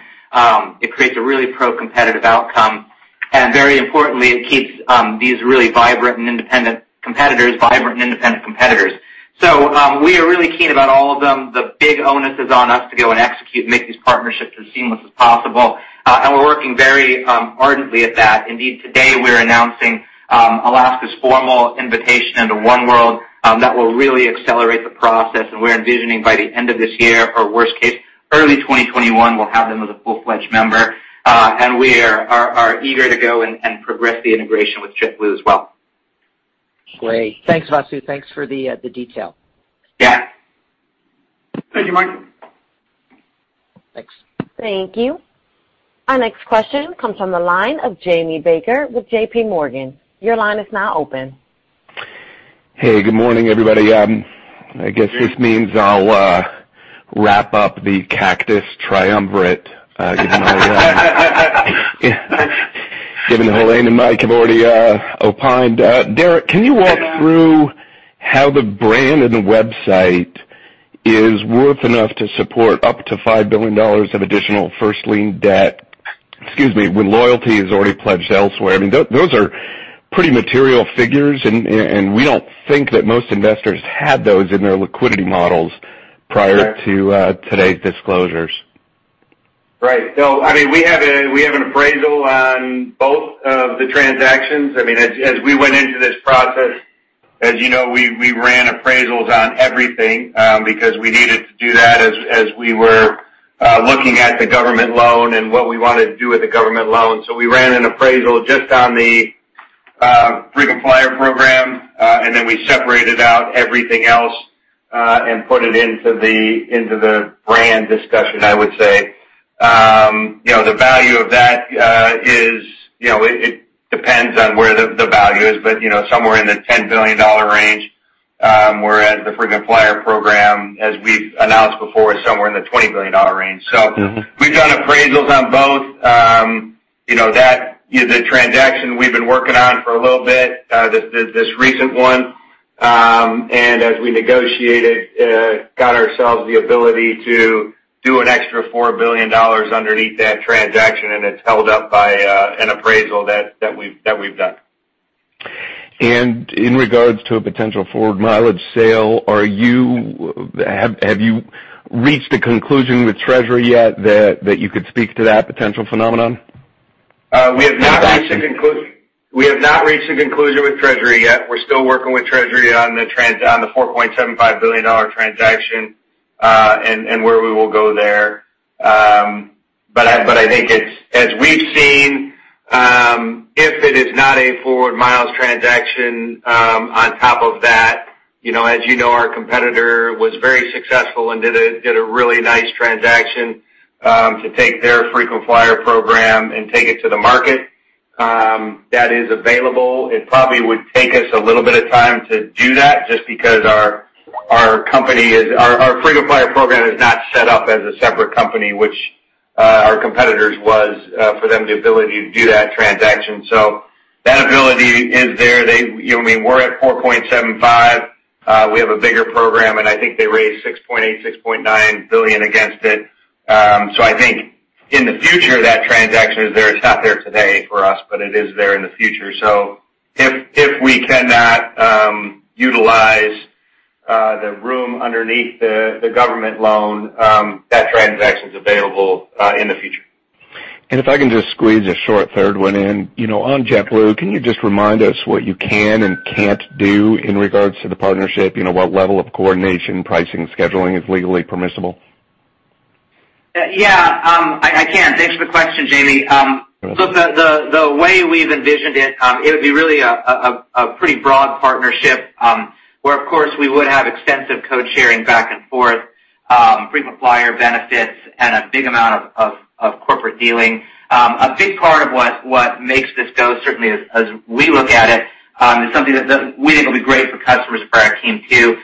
It creates a really pro-competitive outcome, and very importantly, it keeps these really vibrant and independent competitors vibrant and independent competitors. We are really keen about all of them. The big onus is on us to go and execute and make these partnerships as seamless as possible. We're working very ardently at that. Indeed, today we're announcing Alaska's formal invitation into Oneworld. That will really accelerate the process, and we're envisioning by the end of this year, or worst case, early 2021, we'll have them as a full-fledged member. We are eager to go and progress the integration with JetBlue as well. Great. Thanks, Vasu. Thanks for the detail. Yeah. Thank you, Mike. Thanks. Thank you. Our next question comes from the line of Jamie Baker with JPMorgan. Your line is now open. Hey, good morning, everybody. I guess this means I'll wrap up the Cactus triumvirate given that Helane and Mike have already opined. Derek, can you walk through how the brand and the website is worth enough to support up to $5 billion of additional first-lien debt, excuse me, when loyalty is already pledged elsewhere? I mean, those are pretty material figures, and we don't think that most investors had those in their liquidity models prior to today's disclosures. Right. We have an appraisal on both of the transactions. As you know, we ran appraisals on everything because we needed to do that as we were looking at the government loan and what we wanted to do with the government loan. We ran an appraisal just on the frequent flyer program, and then we separated out everything else and put it into the brand discussion, I would say. The value of that depends on where the value is, but somewhere in the $10 billion range, whereas the frequent flyer program, as we've announced before, is somewhere in the $20 billion range. We've done appraisals on both. The transaction we've been working on for a little bit, this recent one, and as we negotiated, got ourselves the ability to do an extra $4 billion underneath that transaction, and it's held up by an appraisal that we've done. In regards to a potential forward mileage sale, have you reached a conclusion with Treasury yet that you could speak to that potential phenomenon, that transaction? We have not reached a conclusion with Treasury yet. We're still working with Treasury on the $4.75 billion transaction, and where we will go there. I think as we've seen, if it is not a forward miles transaction on top of that, you know, our competitor was very successful and did a really nice transaction to take their frequent flyer program and take it to the market. That is available. It probably would take us a little bit of time to do that just because our frequent flyer program is not set up as a separate company, which our competitor's was, for them, the ability to do that transaction. That ability is there. We're at $4.75. We have a bigger program, and I think they raised $6.8 billion, $6.9 billion against it. I think in the future, that transaction is there. It's not there today for us. It is there in the future. If we cannot utilize the room underneath the government loan, that transaction's available in the future. If I can just squeeze a short third one in. On JetBlue, can you just remind us what you can and can't do in regards to the partnership? What level of coordination, pricing, scheduling is legally permissible? Yeah. I can. Thanks for the question, Jamie. No problem. Look, the way we've envisioned it would be really a pretty broad partnership. Of course, we would have extensive code sharing back and forth, frequent flyer benefits, and a big amount of corporate dealing. A big part of what makes this go, certainly as we look at it, is something that we think will be great for customers, for our team too.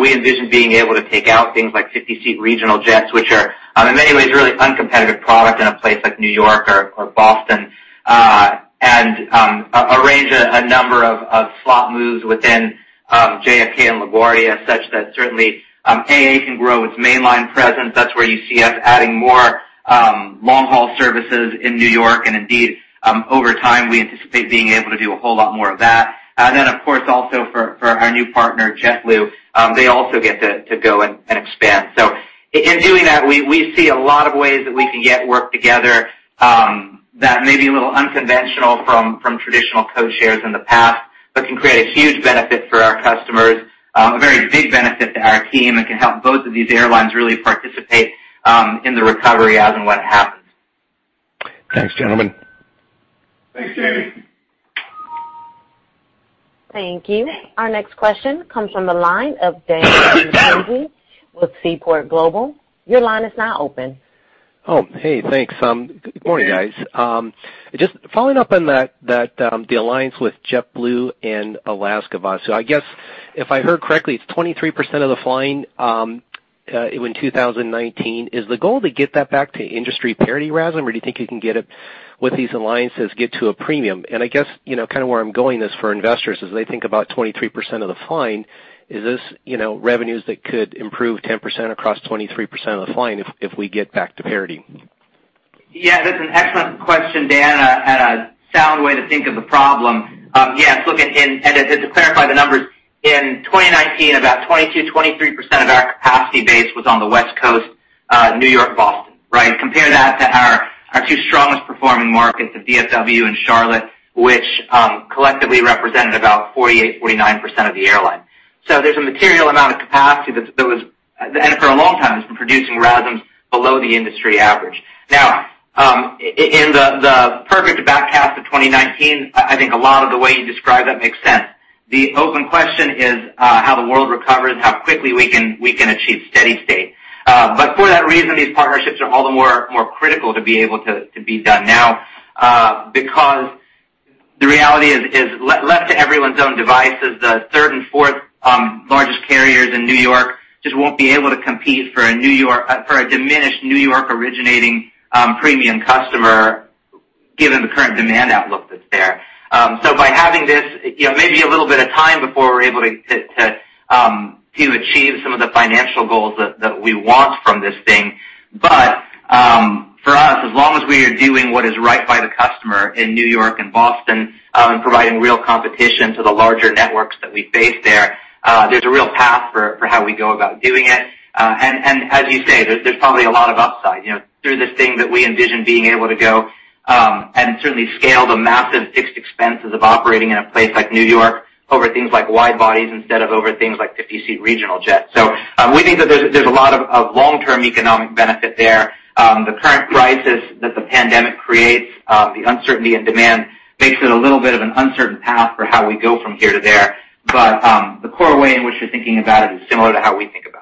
We envision being able to take out things like 50-seat regional jets, which are in many ways, really uncompetitive product in a place like New York or Boston, and arrange a number of slot moves within JFK and LaGuardia, such that certainly AA can grow its mainline presence. Indeed, over time, we anticipate being able to do a whole lot more of that. Of course, also for our new partner, JetBlue, they also get to go and expand. In doing that, we see a lot of ways that we can get work together that may be a little unconventional from traditional code shares in the past, but can create a huge benefit for our customers, a very big benefit to our team, and can help both of these airlines really participate in the recovery, as in what happens. Thanks, gentlemen. Thanks, Jamie. Thank you. Our next question comes from the line of Dan with Seaport Global. Your line is now open. Hey, thanks. Good morning, guys. Just following up on that, the alliance with JetBlue and Alaska, so I guess if I heard correctly, it's 23% of the flying in 2019. Is the goal to get that back to industry parity RASM, or do you think you can get it with these alliances, get to a premium? I guess, kind of where I'm going is for investors as they think about 23% of the flying, is this revenues that could improve 10% across 23% of the flying if we get back to parity? That's an excellent question, Dan, and a sound way to think of the problem. Look, and to clarify the numbers, in 2019, about 22%, 23% of our capacity base was on the West Coast, New York, Boston, right? Compare that to our two strongest performing markets of DFW and Charlotte, which collectively represented about 48%, 49% of the airline. There's a material amount of capacity that for a long time has been producing RASMs below the industry average. In the perfect back half of 2019, I think a lot of the way you describe that makes sense. The open question is how the world recovers, how quickly we can achieve steady state. For that reason, these partnerships are all the more critical to be able to be done now, because the reality is, left to everyone's own devices, the third and fourth largest carriers in New York just won't be able to compete for a diminished New York originating premium customer, given the current demand outlook that's there. By having this, maybe a little bit of time before we're able to achieve some of the financial goals that we want from this thing. For us, as long as we are doing what is right by the customer in New York and Boston, and providing real competition to the larger networks that we face there's a real path for how we go about doing it. As you say, there's probably a lot of upside through this thing that we envision being able to go, and certainly scale the massive fixed expenses of operating in a place like New York over things like wide bodies instead of over things like 50-seat regional jets. We think that there's a lot of long-term economic benefit there. The current crisis that the pandemic creates, the uncertainty and demand makes it a little bit of an uncertain path for how we go from here to there. The core way in which you're thinking about it is similar to how we think about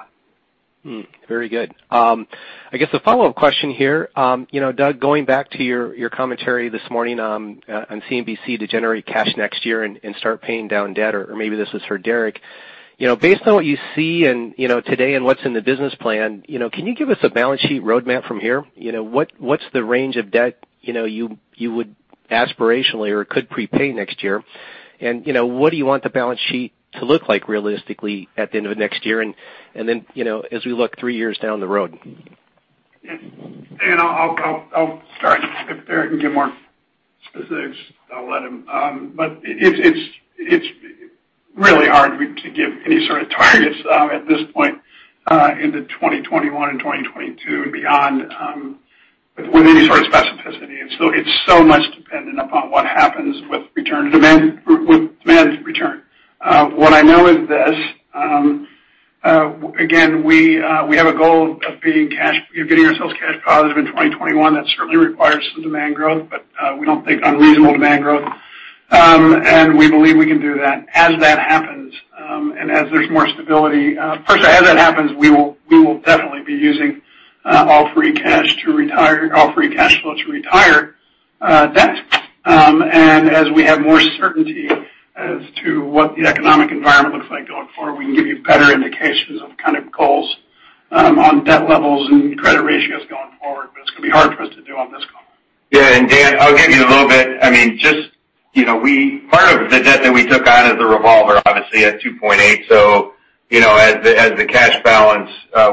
it. Very good. I guess a follow-up question here. Doug, going back to your commentary this morning on CNBC to generate cash next year and start paying down debt. Maybe this is for Derek. Based on what you see and today and what's in the business plan, can you give us a balance sheet roadmap from here? What's the range of debt you would aspirationally or could prepay next year? What do you want the balance sheet to look like realistically at the end of next year? Then, as we look three years down the road? I'll start. If Derek can give more specifics, I'll let him. It's really hard to give any sort of targets at this point into 2021 and 2022 and beyond with any sort of specificity. It's so much dependent upon what happens with demand return. What I know is this. Again, we have a goal of getting ourselves cash positive in 2021. That certainly requires some demand growth, but we don't think unreasonable demand growth. We believe we can do that. As that happens, and as there's more stability, of course, as that happens, we will definitely be using all free cash flow to retire debt. As we have more certainty as to what the economic environment looks like going forward, we can give you better indications of kind of goals on debt levels and credit ratios going forward, but it's going to be hard for us to do on this call. Dan, I'll give you a little bit. Part of the debt that we took on as a revolver, obviously at $2.8. As the cash balance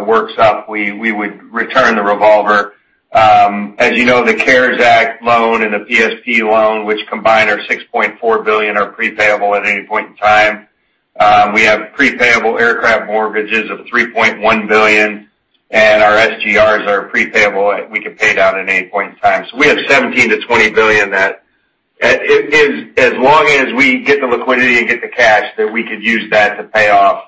works up, we would return the revolver. As you know, the CARES Act loan and the PSP loan, which combined are $6.4 billion, are prepayable at any point in time. We have prepayable aircraft mortgages of $3.1 billion, and our SGRs are prepayable, we could pay down at any point in time. We have $17 billion-$20 billion that as long as we get the liquidity and get the cash, that we could use that to pay off.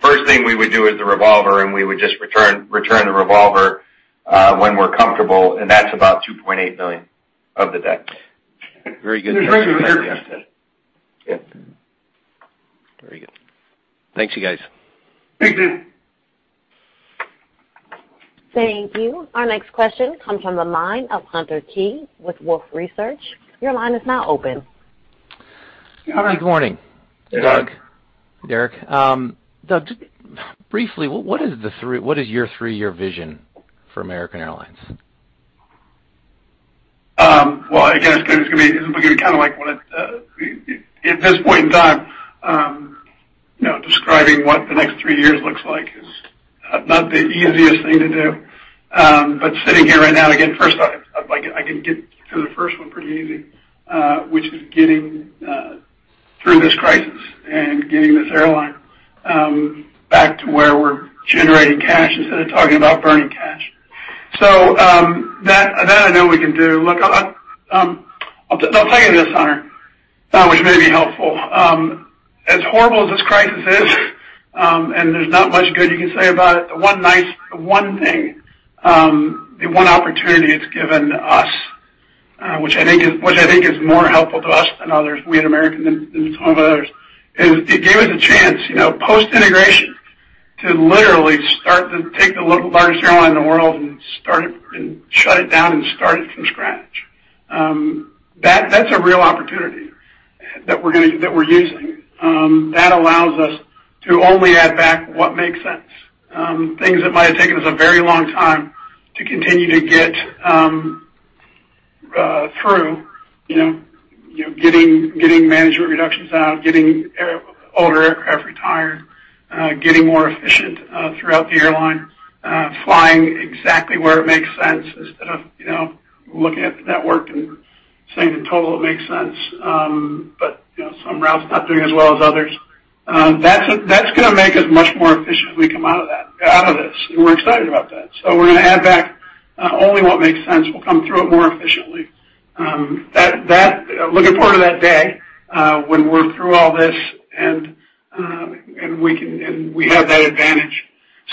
First thing we would do is the revolver, and we would just return the revolver when we're comfortable, and that's about $2.8 million of the debt. Very good. Very good. Thanks, you guys. Thanks, Dan. Thank you. Our next question comes from the line of Hunter Keay with Wolfe Research. Your line is now open. Good morning. Doug, Derek. Doug, just briefly, what is your three-year vision for American Airlines? Well, again, it's going to be kind of like at this point in time, describing what the next three years looks like is not the easiest thing to do. Sitting here right now, again, first off, I can get through the first one pretty easy, which is getting through this crisis and getting this airline back to where we're generating cash instead of talking about burning cash. That I know we can do. Look, I'll tell you this, Hunter, which may be helpful. As horrible as this crisis is, and there's not much good you can say about it, the one thing, the one opportunity it's given us, which I think is more helpful to us than others, we at American than a ton of others, is it gave us a chance, post-integration, to literally start to take the largest airline in the world and shut it down and start it from scratch. That's a real opportunity that we're using. That allows us to only add back what makes sense. Things that might have taken us a very long time to continue to get through, getting management reductions out, getting older aircraft retired, getting more efficient throughout the airline, flying exactly where it makes sense instead of looking at the network and saying in total it makes sense, but some routes not doing as well as others. That's going to make us much more efficient as we come out of that, out of this, we're excited about that. We're going to add back only what makes sense. We'll come through it more efficiently. Looking forward to that day when we're through all this and we have that advantage.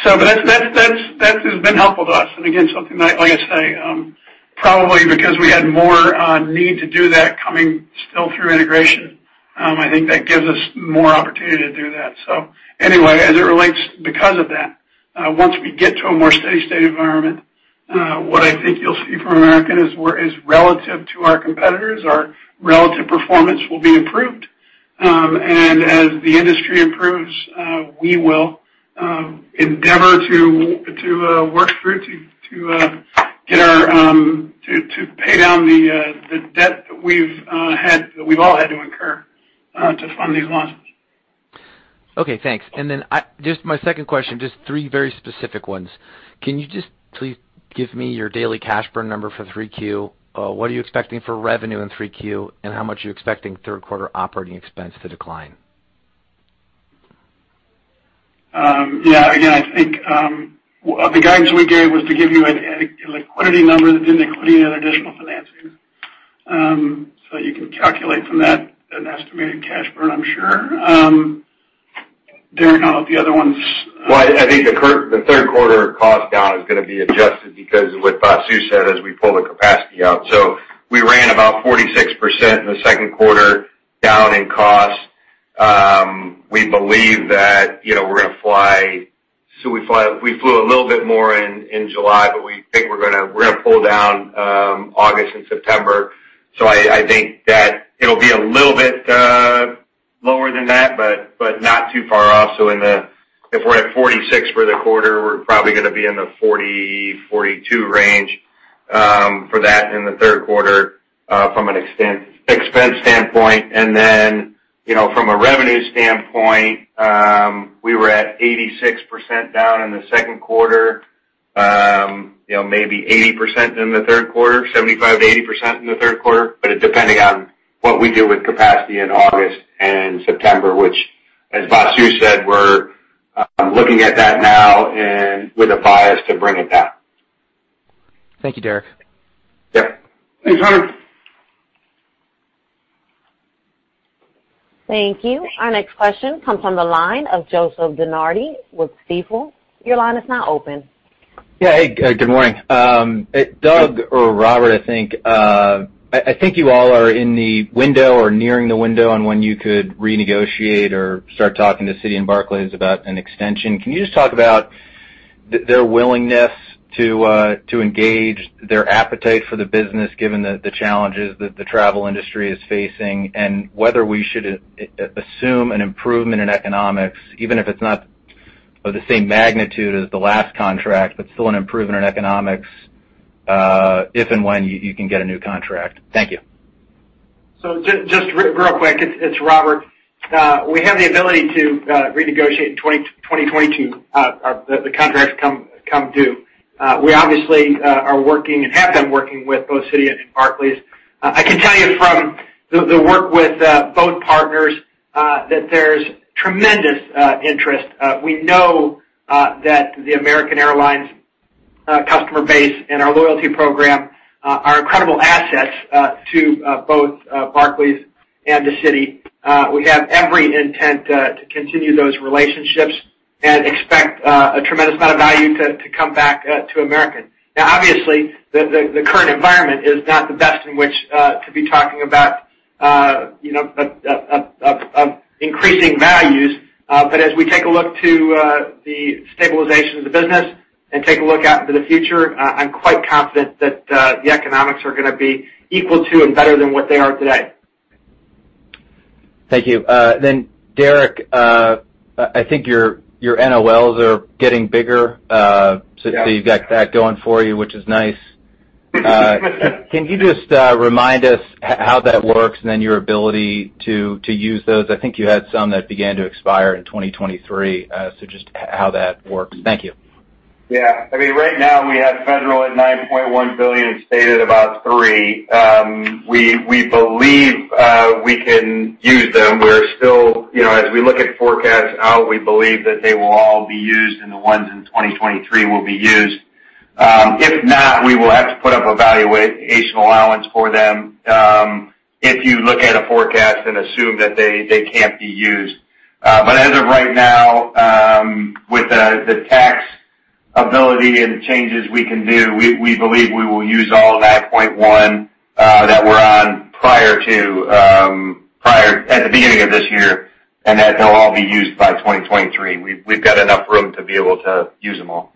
That has been helpful to us. Again, something that, like I say, probably because we had more need to do that coming still through integration, I think that gives us more opportunity to do that. Anyway, as it relates because of that, once we get to a more steady state environment, what I think you'll see from American is where is relative to our competitors, our relative performance will be improved. As the industry improves, we will endeavor to work through to pay down the debt that we've all had to incur to fund these launches. Okay, thanks. Then just my second question, just three very specific ones. Can you just please give me your daily cash burn number for 3Q? What are you expecting for revenue in 3Q? How much are you expecting third quarter operating expense to decline? Yeah, again, I think, the guidance we gave was to give you a liquidity number that didn't include any additional financing. You can calculate from that an estimated cash burn, I'm sure. Derek, I'll let the other ones- I think the third quarter cost down is going to be adjusted because of what Vasu said as we pull the capacity out. We ran about 46% in the second quarter down in cost. We flew a little bit more in July, but we think we're going to pull down August and September. I think that it'll be a little bit lower than that, but not too far off. If we're at 46 for the quarter, we're probably gonna be in the 40%-42% range for that in the third quarter from an expense standpoint. From a revenue standpoint, we were at 86% down in the second quarter. Maybe 80% in the third quarter, 75%-80% in the third quarter. Depending on what we do with capacity in August and September, which as Vasu said, we're looking at that now and with a bias to bring it down. Thank you, Derek. Yep. Thanks, Hunter. Thank you. Our next question comes from the line of Joseph DeNardi with Stifel. Your line is now open. Yeah. Hey, good morning. Doug or Robert, I think you all are in the window or nearing the window on when you could renegotiate or start talking to Citi and Barclays about an extension. Can you just talk about their willingness to engage their appetite for the business, given the challenges that the travel industry is facing, and whether we should assume an improvement in economics, even if it's not of the same magnitude as the last contract, but still an improvement in economics, if and when you can get a new contract. Thank you. Just real quick, it's Robert. We have the ability to renegotiate in 2022, the contract come due. We obviously are working and have been working with both Citi and Barclays. I can tell you from the work with both partners that there's tremendous interest. We know that the American Airlines customer base and our loyalty program incredible assets to both Barclays and Citi. We have every intent to continue those relationships and expect a tremendous amount of value to come back to American. Obviously, the current environment is not the best in which to be talking about of increasing values. As we take a look to the stabilization of the business and take a look out into the future, I'm quite confident that the economics are going to be equal to and better than what they are today. Thank you. Derek, I think your NOLs are getting bigger. Yeah You've got that going for you, which is nice. Can you just remind us how that works and then your ability to use those? I think you had some that began to expire in 2023, so just how that works. Thank you. Yeah. Right now, we have federal at $9.1 billion, state at about $3. We believe we can use them. As we look at forecasts out, we believe that they will all be used, and the ones in 2023 will be used. If not, we will have to put up a valuation allowance for them if you look at a forecast and assume that they can't be used. As of right now, with the tax ability and the changes we can do, we believe we will use all of that point one that we're on at the beginning of this year, and that they'll all be used by 2023. We've got enough room to be able to use them all.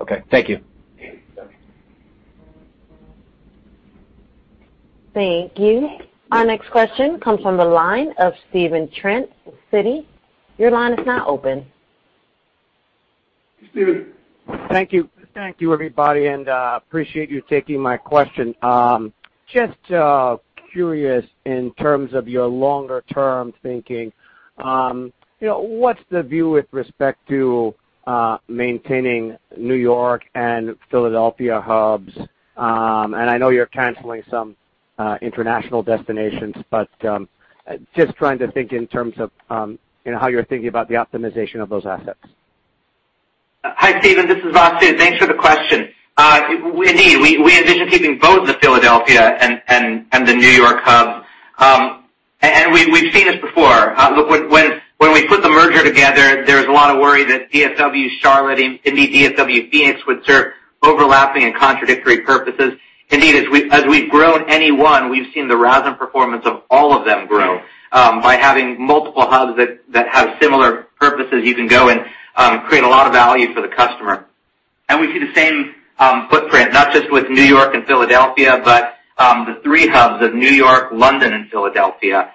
Okay. Thank you. Okay. Thank you. Our next question comes from the line of Stephen Trent with Citi. Your line is now open. Hey, Stephen. Thank you. Thank you, everybody. Appreciate you taking my question. Just curious in terms of your longer-term thinking. What's the view with respect to maintaining New York and Philadelphia hubs? I know you're canceling some international destinations, just trying to think in terms of how you're thinking about the optimization of those assets. Hi, Stephen, this is Vasu. Thanks for the question. Indeed, we envision keeping both the Philadelphia and the New York hubs. We've seen this before. Look, when we put the merger together, there was a lot of worry that DFW, Charlotte, indeed DFW, Phoenix would serve overlapping and contradictory purposes. Indeed, as we've grown any one, we've seen the RASM performance of all of them grow. By having multiple hubs that have similar purposes, you can go and create a lot of value for the customer. We see the same footprint, not just with New York and Philadelphia, but the three hubs of New York, London, and Philadelphia.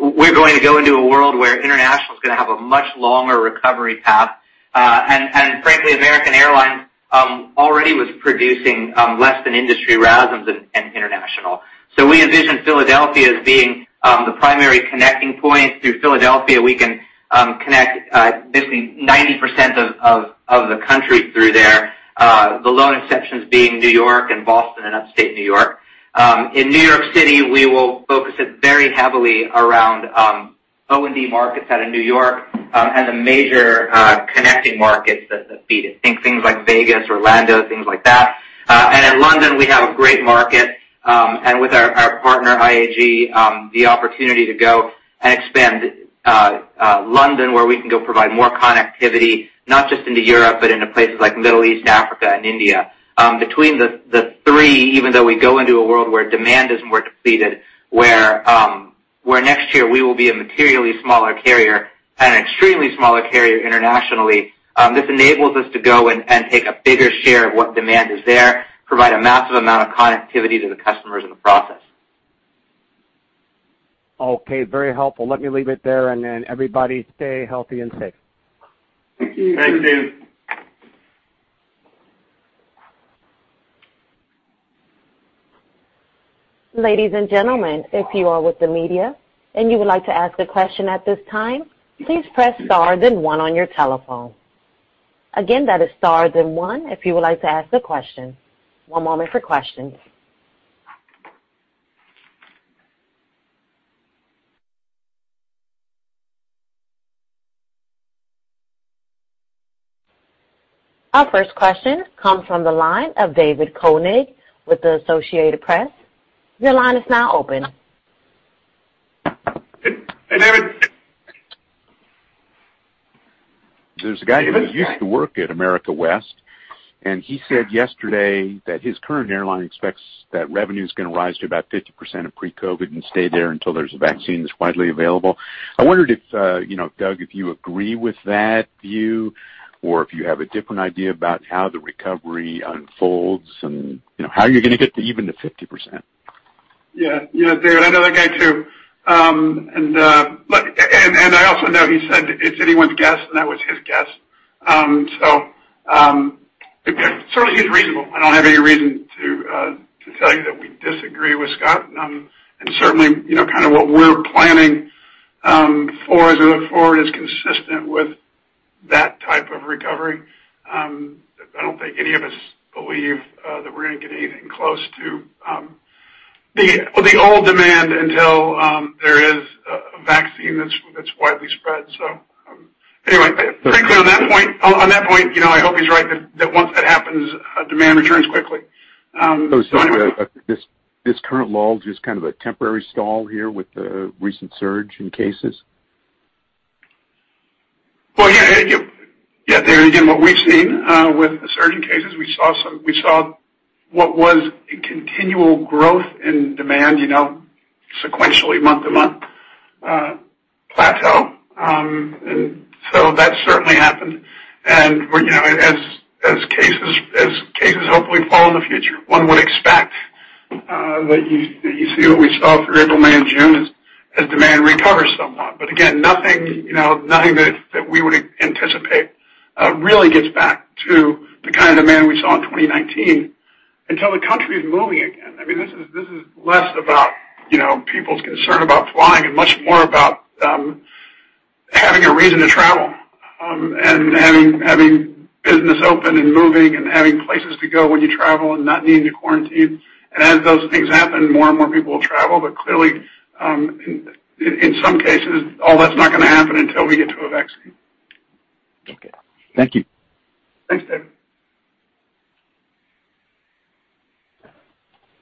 We're going to go into a world where international is going to have a much longer recovery path. Frankly, American Airlines already was producing less than industry RASMs in international. We envision Philadelphia as being the primary connecting point. Through Philadelphia, we can connect basically 90% of the country through there, the lone exceptions being New York and Boston and Upstate New York. In New York City, we will focus it very heavily around O&D markets out of New York and the major connecting markets that feed it. Think things like Vegas, Orlando, things like that. In London, we have a great market, and with our partner, IAG, the opportunity to go and expand London, where we can go provide more connectivity, not just into Europe, but into places like Middle East, Africa, and India. Between the three, even though we go into a world where demand is more depleted, where next year we will be a materially smaller carrier and an extremely smaller carrier internationally, this enables us to go and take a bigger share of what demand is there, provide a massive amount of connectivity to the customers in the process. Okay. Very helpful. Let me leave it there, and then everybody stay healthy and safe. Thank you. Thanks, Stephen. Ladies and gentlemen, if you are with the media and you would like to ask a question at this time, please press star then one on your telephone. That is star then one if you would like to ask a question. One moment for questions. Our first question comes from the line of David Koenig with the Associated Press. Your line is now open. Hey, David. There's a guy who used to work at America West. He said yesterday that his current airline expects that revenue is going to rise to about 50% of pre-COVID and stay there until there's a vaccine that's widely available. I wondered if, Doug, if you agree with that view, or if you have a different idea about how the recovery unfolds and how you're going to get to even the 50%. Yeah. David, I know that guy too. I also know he said it's anyone's guess, and that was his guess. Certainly, he's reasonable. I don't have any reason to tell you that we disagree with Scott, and certainly, kind of what we're planning for as we look forward is consistent with that type of recovery. I don't think any of us believe that we're going to get anything close to the old demand until there is a vaccine that's widely spread. Frankly, on that point, I hope he's right that once that happens, demand returns quickly. This current lull is kind of a temporary stall here with the recent surge in cases? Well, yeah. There again, what we've seen with the surge in cases, we saw what was a continual growth in demand sequentially month-to-month plateau. That certainly happened. As cases hopefully fall in the future, one would expect that you see what we saw through April, May, and June as demand recovers somewhat. Again, nothing that we would anticipate really gets back to the kind of demand we saw in 2019 until the country is moving again. This is less about people's concern about flying and much more about having a reason to travel, and having business open and moving, and having places to go when you travel and not needing to quarantine. As those things happen, more and more people will travel. Clearly, in some cases, all that's not going to happen until we get to a vaccine. Okay. Thank you. Thanks, David.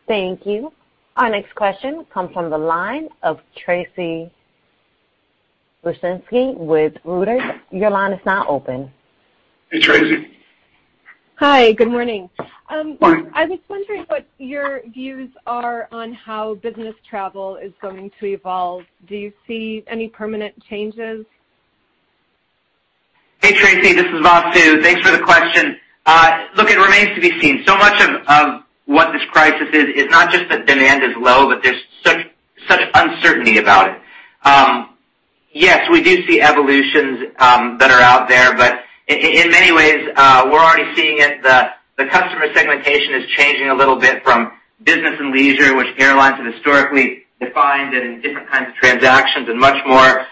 Thank you. Our next question comes from the line of Tracy Rucinski with Reuters. Your line is now open. Hey, Tracy. Hi, good morning. Morning. I was wondering what your views are on how business travel is going to evolve. Do you see any permanent changes? Hey, Tracy, this is Vasu. Thanks for the question. It remains to be seen. Much of what this crisis is not just that demand is low, but there's such uncertainty about it. We do see evolutions that are out there, but in many ways, we're already seeing it. The customer segmentation is changing a little bit from business and leisure, which airlines have historically defined and in different kinds of transactions, and much more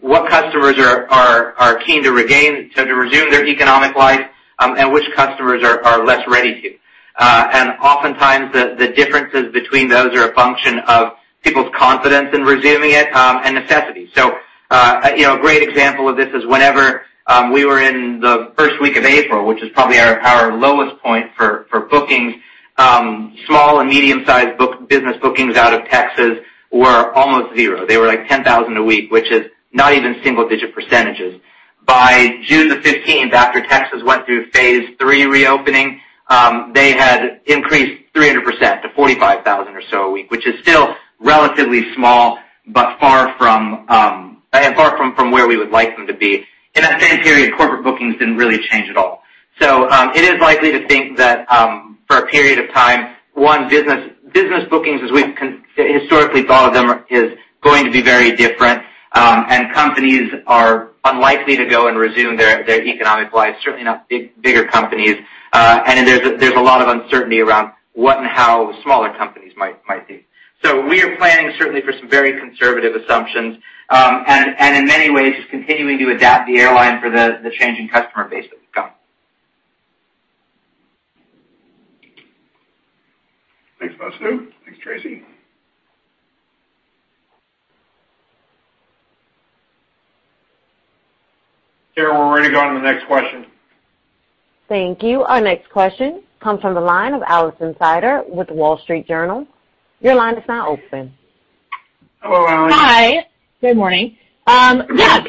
what customers are keen to regain to resume their economic life, and which customers are less ready to. Oftentimes, the differences between those are a function of people's confidence in resuming it, and necessity. A great example of this is whenever we were in the first week of April, which is probably our lowest point for bookings, small and medium-sized business bookings out of Texas were almost zero. They were like 10,000 a week, which is not even single-digit %. By June the 15th, after Texas went through phase three reopening, they had increased 300% to 45,000 or so a week, which is still relatively small, far from where we would like them to be. In that same period, corporate bookings didn't really change at all. It is likely to think that for a period of time, one, business bookings, as we've historically thought of them, is going to be very different. Companies are unlikely to go and resume their economic lives, certainly not bigger companies. There's a lot of uncertainty around what and how smaller companies might be. We are planning certainly for some very conservative assumptions. In many ways, just continuing to adapt the airline for the changing customer base that we've got. Thanks, Vasu. Thanks, Tracy. Carol, we're ready to go on to the next question. Thank you. Our next question comes from the line of Alison Sider with The Wall Street Journal. Your line is now open. Hello, Alison. Hi. Good morning. Is there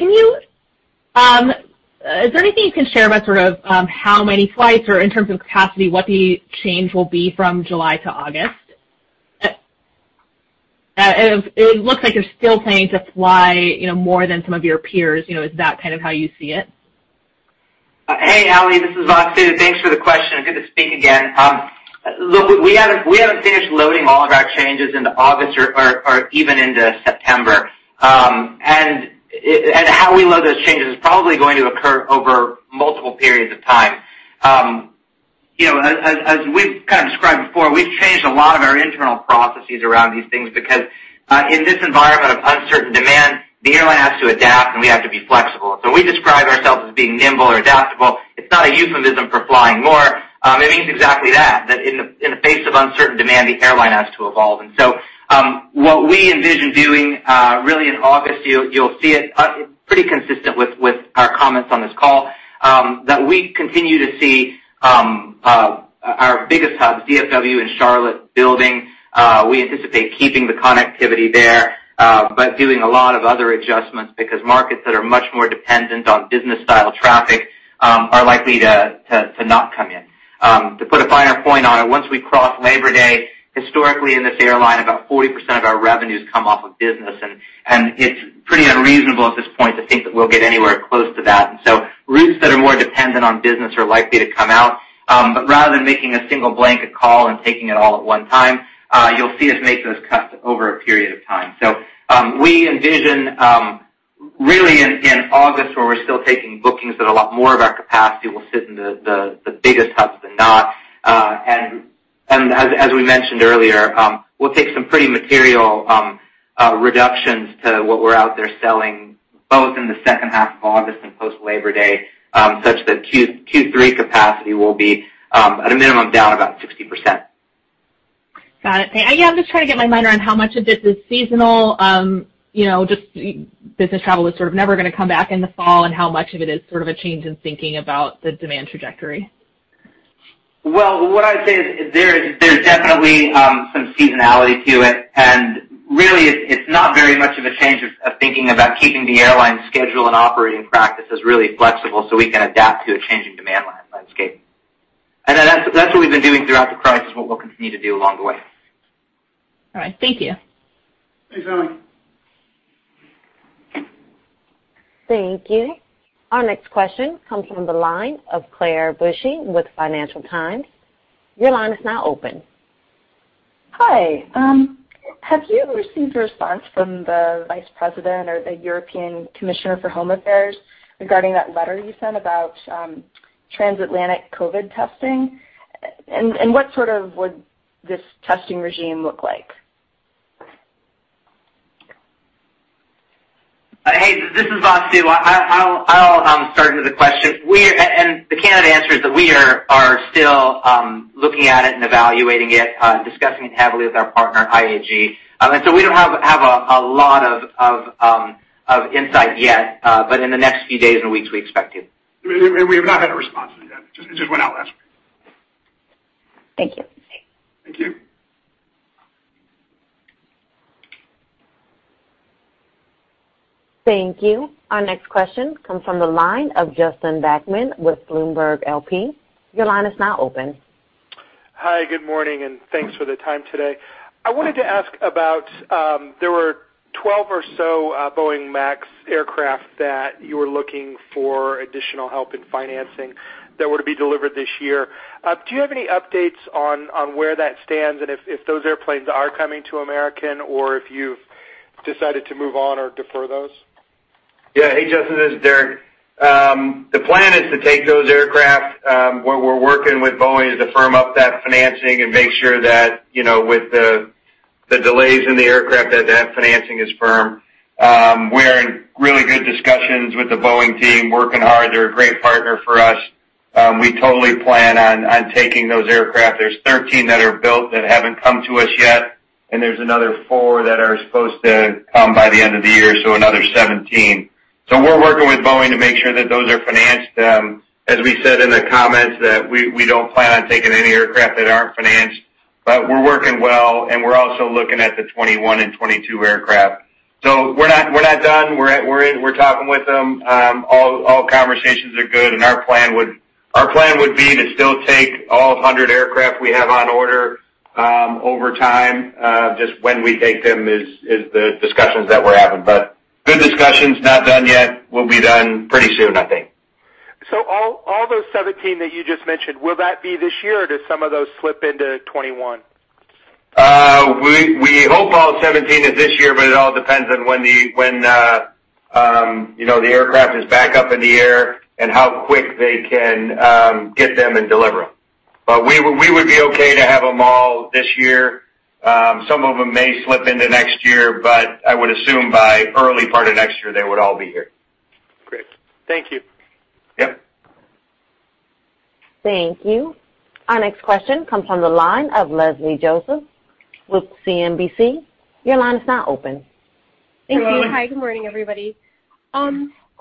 anything you can share about sort of how many flights or in terms of capacity, what the change will be from July to August? It looks like you're still planning to fly more than some of your peers. Is that kind of how you see it? Hey, Alison, this is Vasu. Thanks for the question. Good to speak again. Look, we haven't finished loading all of our changes into August or even into September. How we load those changes is probably going to occur over multiple periods of time. As we've kind of described before, we've changed a lot of our internal processes around these things because, in this environment of uncertain demand, the airline has to adapt, and we have to be flexible. We describe ourselves as being nimble or adaptable. It's not a euphemism for flying more. It means exactly that in the face of uncertain demand, the airline has to evolve. What we envision doing really in August, you'll see it pretty consistent with our comments on this call, that we continue to see our biggest hubs, DFW and Charlotte building. We anticipate keeping the connectivity there, but doing a lot of other adjustments because markets that are much more dependent on business-style traffic are likely to not come in. To put a finer point on it, once we cross Labor Day, historically in this airline, about 40% of our revenues come off of business, and it's pretty unreasonable at this point to think that we'll get anywhere close to that. Rather than making a single blanket call and taking it all at one time, you'll see us make those cuts over a period of time. We envision, really in August where we're still taking bookings that a lot more of our capacity will sit in the biggest hubs than not. As we mentioned earlier, we'll take some pretty material reductions to what we're out there selling both in the second half of August and post Labor Day, such that Q3 capacity will be at a minimum down about 60%. I'm just trying to get my mind around how much of it is seasonal, just business travel was sort of never going to come back in the fall, and how much of it is sort of a change in thinking about the demand trajectory. Well, what I'd say is there's definitely some seasonality to it. Really it's not very much of a change of thinking about keeping the airline schedule and operating practices really flexible so we can adapt to a changing demand landscape. That's what we've been doing throughout the crisis, what we'll continue to do along the way. All right. Thank you. Thanks, Allie. Thank you. Our next question comes from the line of Claire Bushey with Financial Times. Your line is now open. Hi. Have you received a response from the Vice President or the European Commissioner for Home Affairs regarding that letter you sent about transatlantic COVID testing? What sort of would this testing regime look like? Hey, this is Vasu. I'll start with the question. The candid answer is that we are still looking at it and evaluating it, discussing it heavily with our partner, IAG. We don't have a lot of insight yet. In the next few days and weeks, we expect to. We have not had a response yet. It just went out last week. Thank you. Thank you. Thank you. Our next question comes from the line of Justin Bachman with Bloomberg L.P. Your line is now open. Hi, good morning, and thanks for the time today. I wanted to ask about, there were 12 or so Boeing MAX aircraft that you were looking for additional help in financing that were to be delivered this year. Do you have any updates on where that stands and if those airplanes are coming to American or if you've decided to move on or defer those? Yeah. Hey, Justin, this is Derek. The plan is to take those aircraft. What we're working with Boeing is to firm up that financing and make sure that with the delays in the aircraft, that that financing is firm. We're in really good discussions with The Boeing Company team, working hard. They're a great partner for us. We totally plan on taking those aircraft. There's 13 that are built that haven't come to us yet, and there's another four that are supposed to come by the end of the year, so another 17. We're working with The Boeing Company to make sure that those are financed. As we said in the comments that we don't plan on taking any aircraft that aren't financed, but we're working well, and we're also looking at the 2021 and 2022 aircraft. We're not done. We're talking with them. All conversations are good and our plan would be to still take all 100 aircraft we have on order over time. Just when we take them is the discussions that we're having. Good discussions, not done yet. We'll be done pretty soon, I think. All those 17 that you just mentioned, will that be this year or do some of those slip into 2021? We hope all 17 is this year, it all depends on when the aircraft is back up in the air and how quick they can get them and deliver them. We would be okay to have them all this year. Some of them may slip into next year, I would assume by early part of next year, they would all be here. Great. Thank you. Yep. Thank you. Our next question comes from the line of Leslie Josephs with CNBC. Your line is now open. Thank you. Hi, good morning, everybody.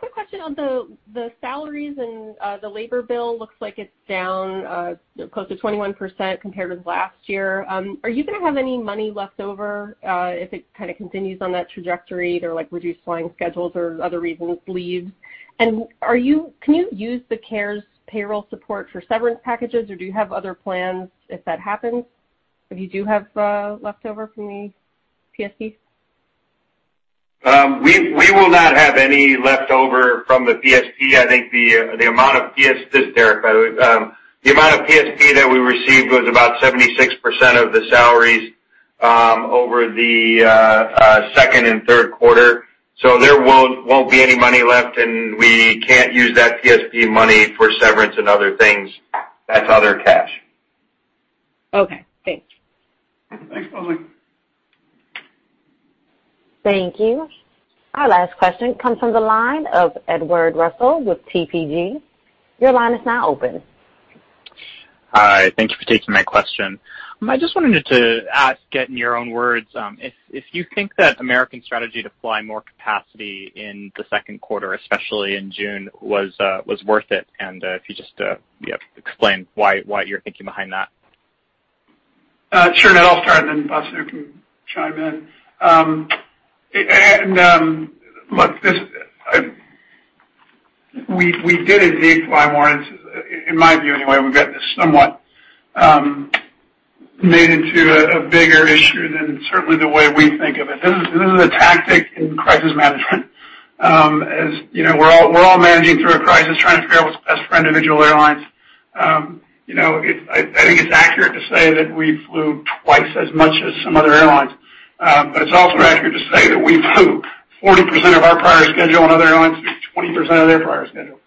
Quick question on the salaries and the labor bill looks like it's down close to 21% compared with last year. Are you going to have any money left over, if it kind of continues on that trajectory, they're like reduced flying schedules or other reasons, leaves? Can you use the CARES payroll support for severance packages, or do you have other plans if that happens, if you do have leftover from the PSP? We will not have any leftover from the PSP. This is Derek, by the way. The amount of PSP that we received was about 76% of the salaries over the second and third quarter. There won't be any money left, and we can't use that PSP money for severance and other things. That's other cash. Okay, thanks. Thanks, Leslie. Thank you. Our last question comes from the line of Edward Russell with TPG. Your line is now open. Hi. Thank you for taking my question. I just wanted to ask, get in your own words, if you think that American's strategy to fly more capacity in the second quarter, especially in June, was worth it, and if you just explain your thinking behind that. Sure, I'll start, and then Vasu can chime in. We did indeed fly more. In my view, anyway, we've got this somewhat made into a bigger issue than certainly the way we think of it. This is a tactic in crisis management. As you know, we're all managing through a crisis, trying to figure out what's best for individual airlines. I think it's accurate to say that we flew twice as much as some other airlines. It's also accurate to say that we flew 40% of our prior schedule, and other airlines flew 20% of their prior schedule.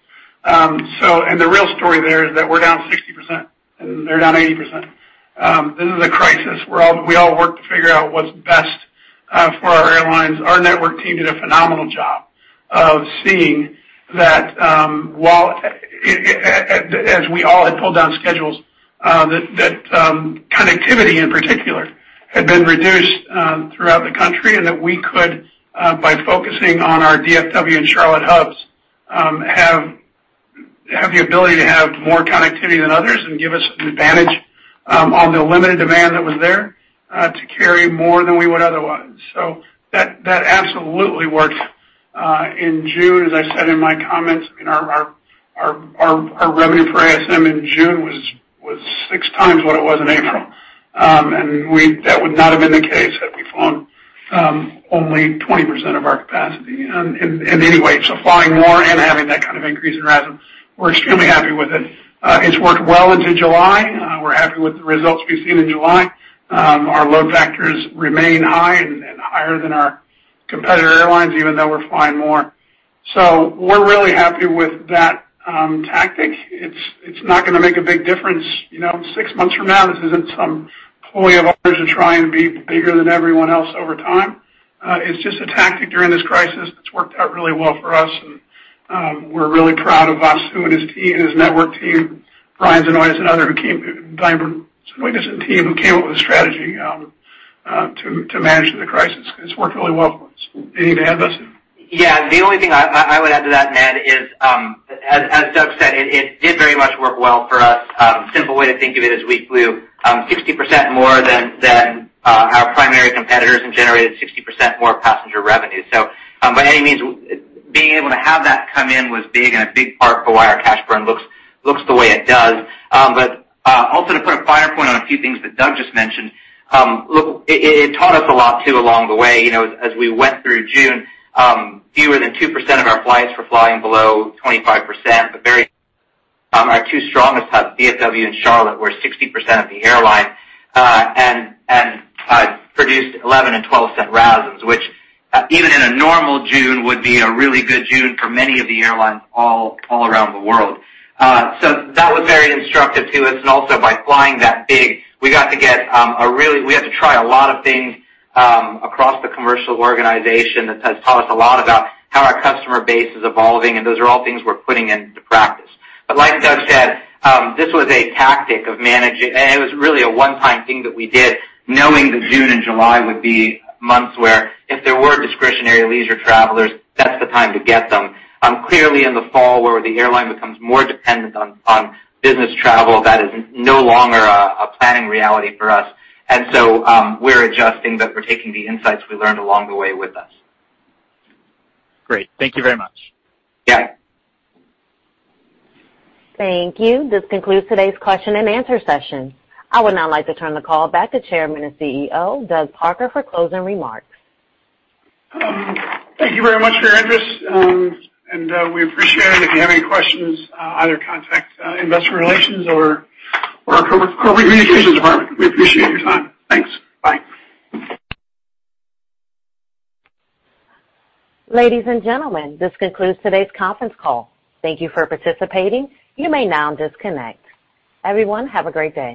The real story there is that we're down 60%, and they're down 80%. This is a crisis. We all work to figure out what's best for our airlines, our network team did a phenomenal job of seeing that, as we all had pulled down schedules, that connectivity in particular had been reduced throughout the country, and that we could, by focusing on our DFW and Charlotte hubs, have the ability to have more connectivity than others and give us an advantage on the limited demand that was there to carry more than we would otherwise. That absolutely worked. In June, as I said in my comments, our revenue for ASM in June was six times what it was in April. That would not have been the case had we flown only 20% of our capacity in any way. Flying more and having that kind of increase in RASM, we're extremely happy with it. It's worked well into July. We're happy with the results we've seen in July. Our load factors remain high and higher than our competitor airlines, even though we're flying more. We're really happy with that tactic. It's not going to make a big difference six months from now. This isn't some ploy of ours to try and be bigger than everyone else over time. It's just a tactic during this crisis that's worked out really well for us, and we're really proud of Vasu and his team, his network team, Brian Znotins and team who came up with a strategy to manage the crisis, because it's worked really well for us. Anything to add, Vasu? Yeah. The only thing I would add to that, Ned, is, as Doug said, it did very much work well for us. Simple way to think of it is we flew 60% more than our primary competitors and generated 60% more passenger revenue. By any means, being able to have that come in was big and a big part for why our cash burn looks the way it does. Also, to put a finer point on a few things that Doug just mentioned, look, it taught us a lot, too, along the way. As we went through June, fewer than 2% of our flights were flying below 25%, our two strongest hubs, DFW and Charlotte, were 60% of the airline, and produced $0.11 and $0.12 RASMs, which even in a normal June, would be a really good June for many of the airlines all around the world. That was very instructive to us, and also by flying that big, we had to try a lot of things across the commercial organization that has taught us a lot about how our customer base is evolving, and those are all things we're putting into practice. Like Doug said, this was a tactic of managing, and it was really a one-time thing that we did, knowing that June and July would be months where if there were discretionary leisure travelers, that's the time to get them. Clearly in the fall, where the airline becomes more dependent on business travel, that is no longer a planning reality for us. We're adjusting, but we're taking the insights we learned along the way with us. Great. Thank you very much. Yeah. Thank you. This concludes today's question and answer session. I would now like to turn the call back to Chairman and CEO, Doug Parker, for closing remarks. Thank you very much for your interest, and we appreciate it. If you have any questions, either contact investor relations or our corporate communications department. We appreciate your time. Thanks. Bye. Ladies and gentlemen, this concludes today's conference call. Thank you for participating. You may now disconnect. Everyone, have a great day.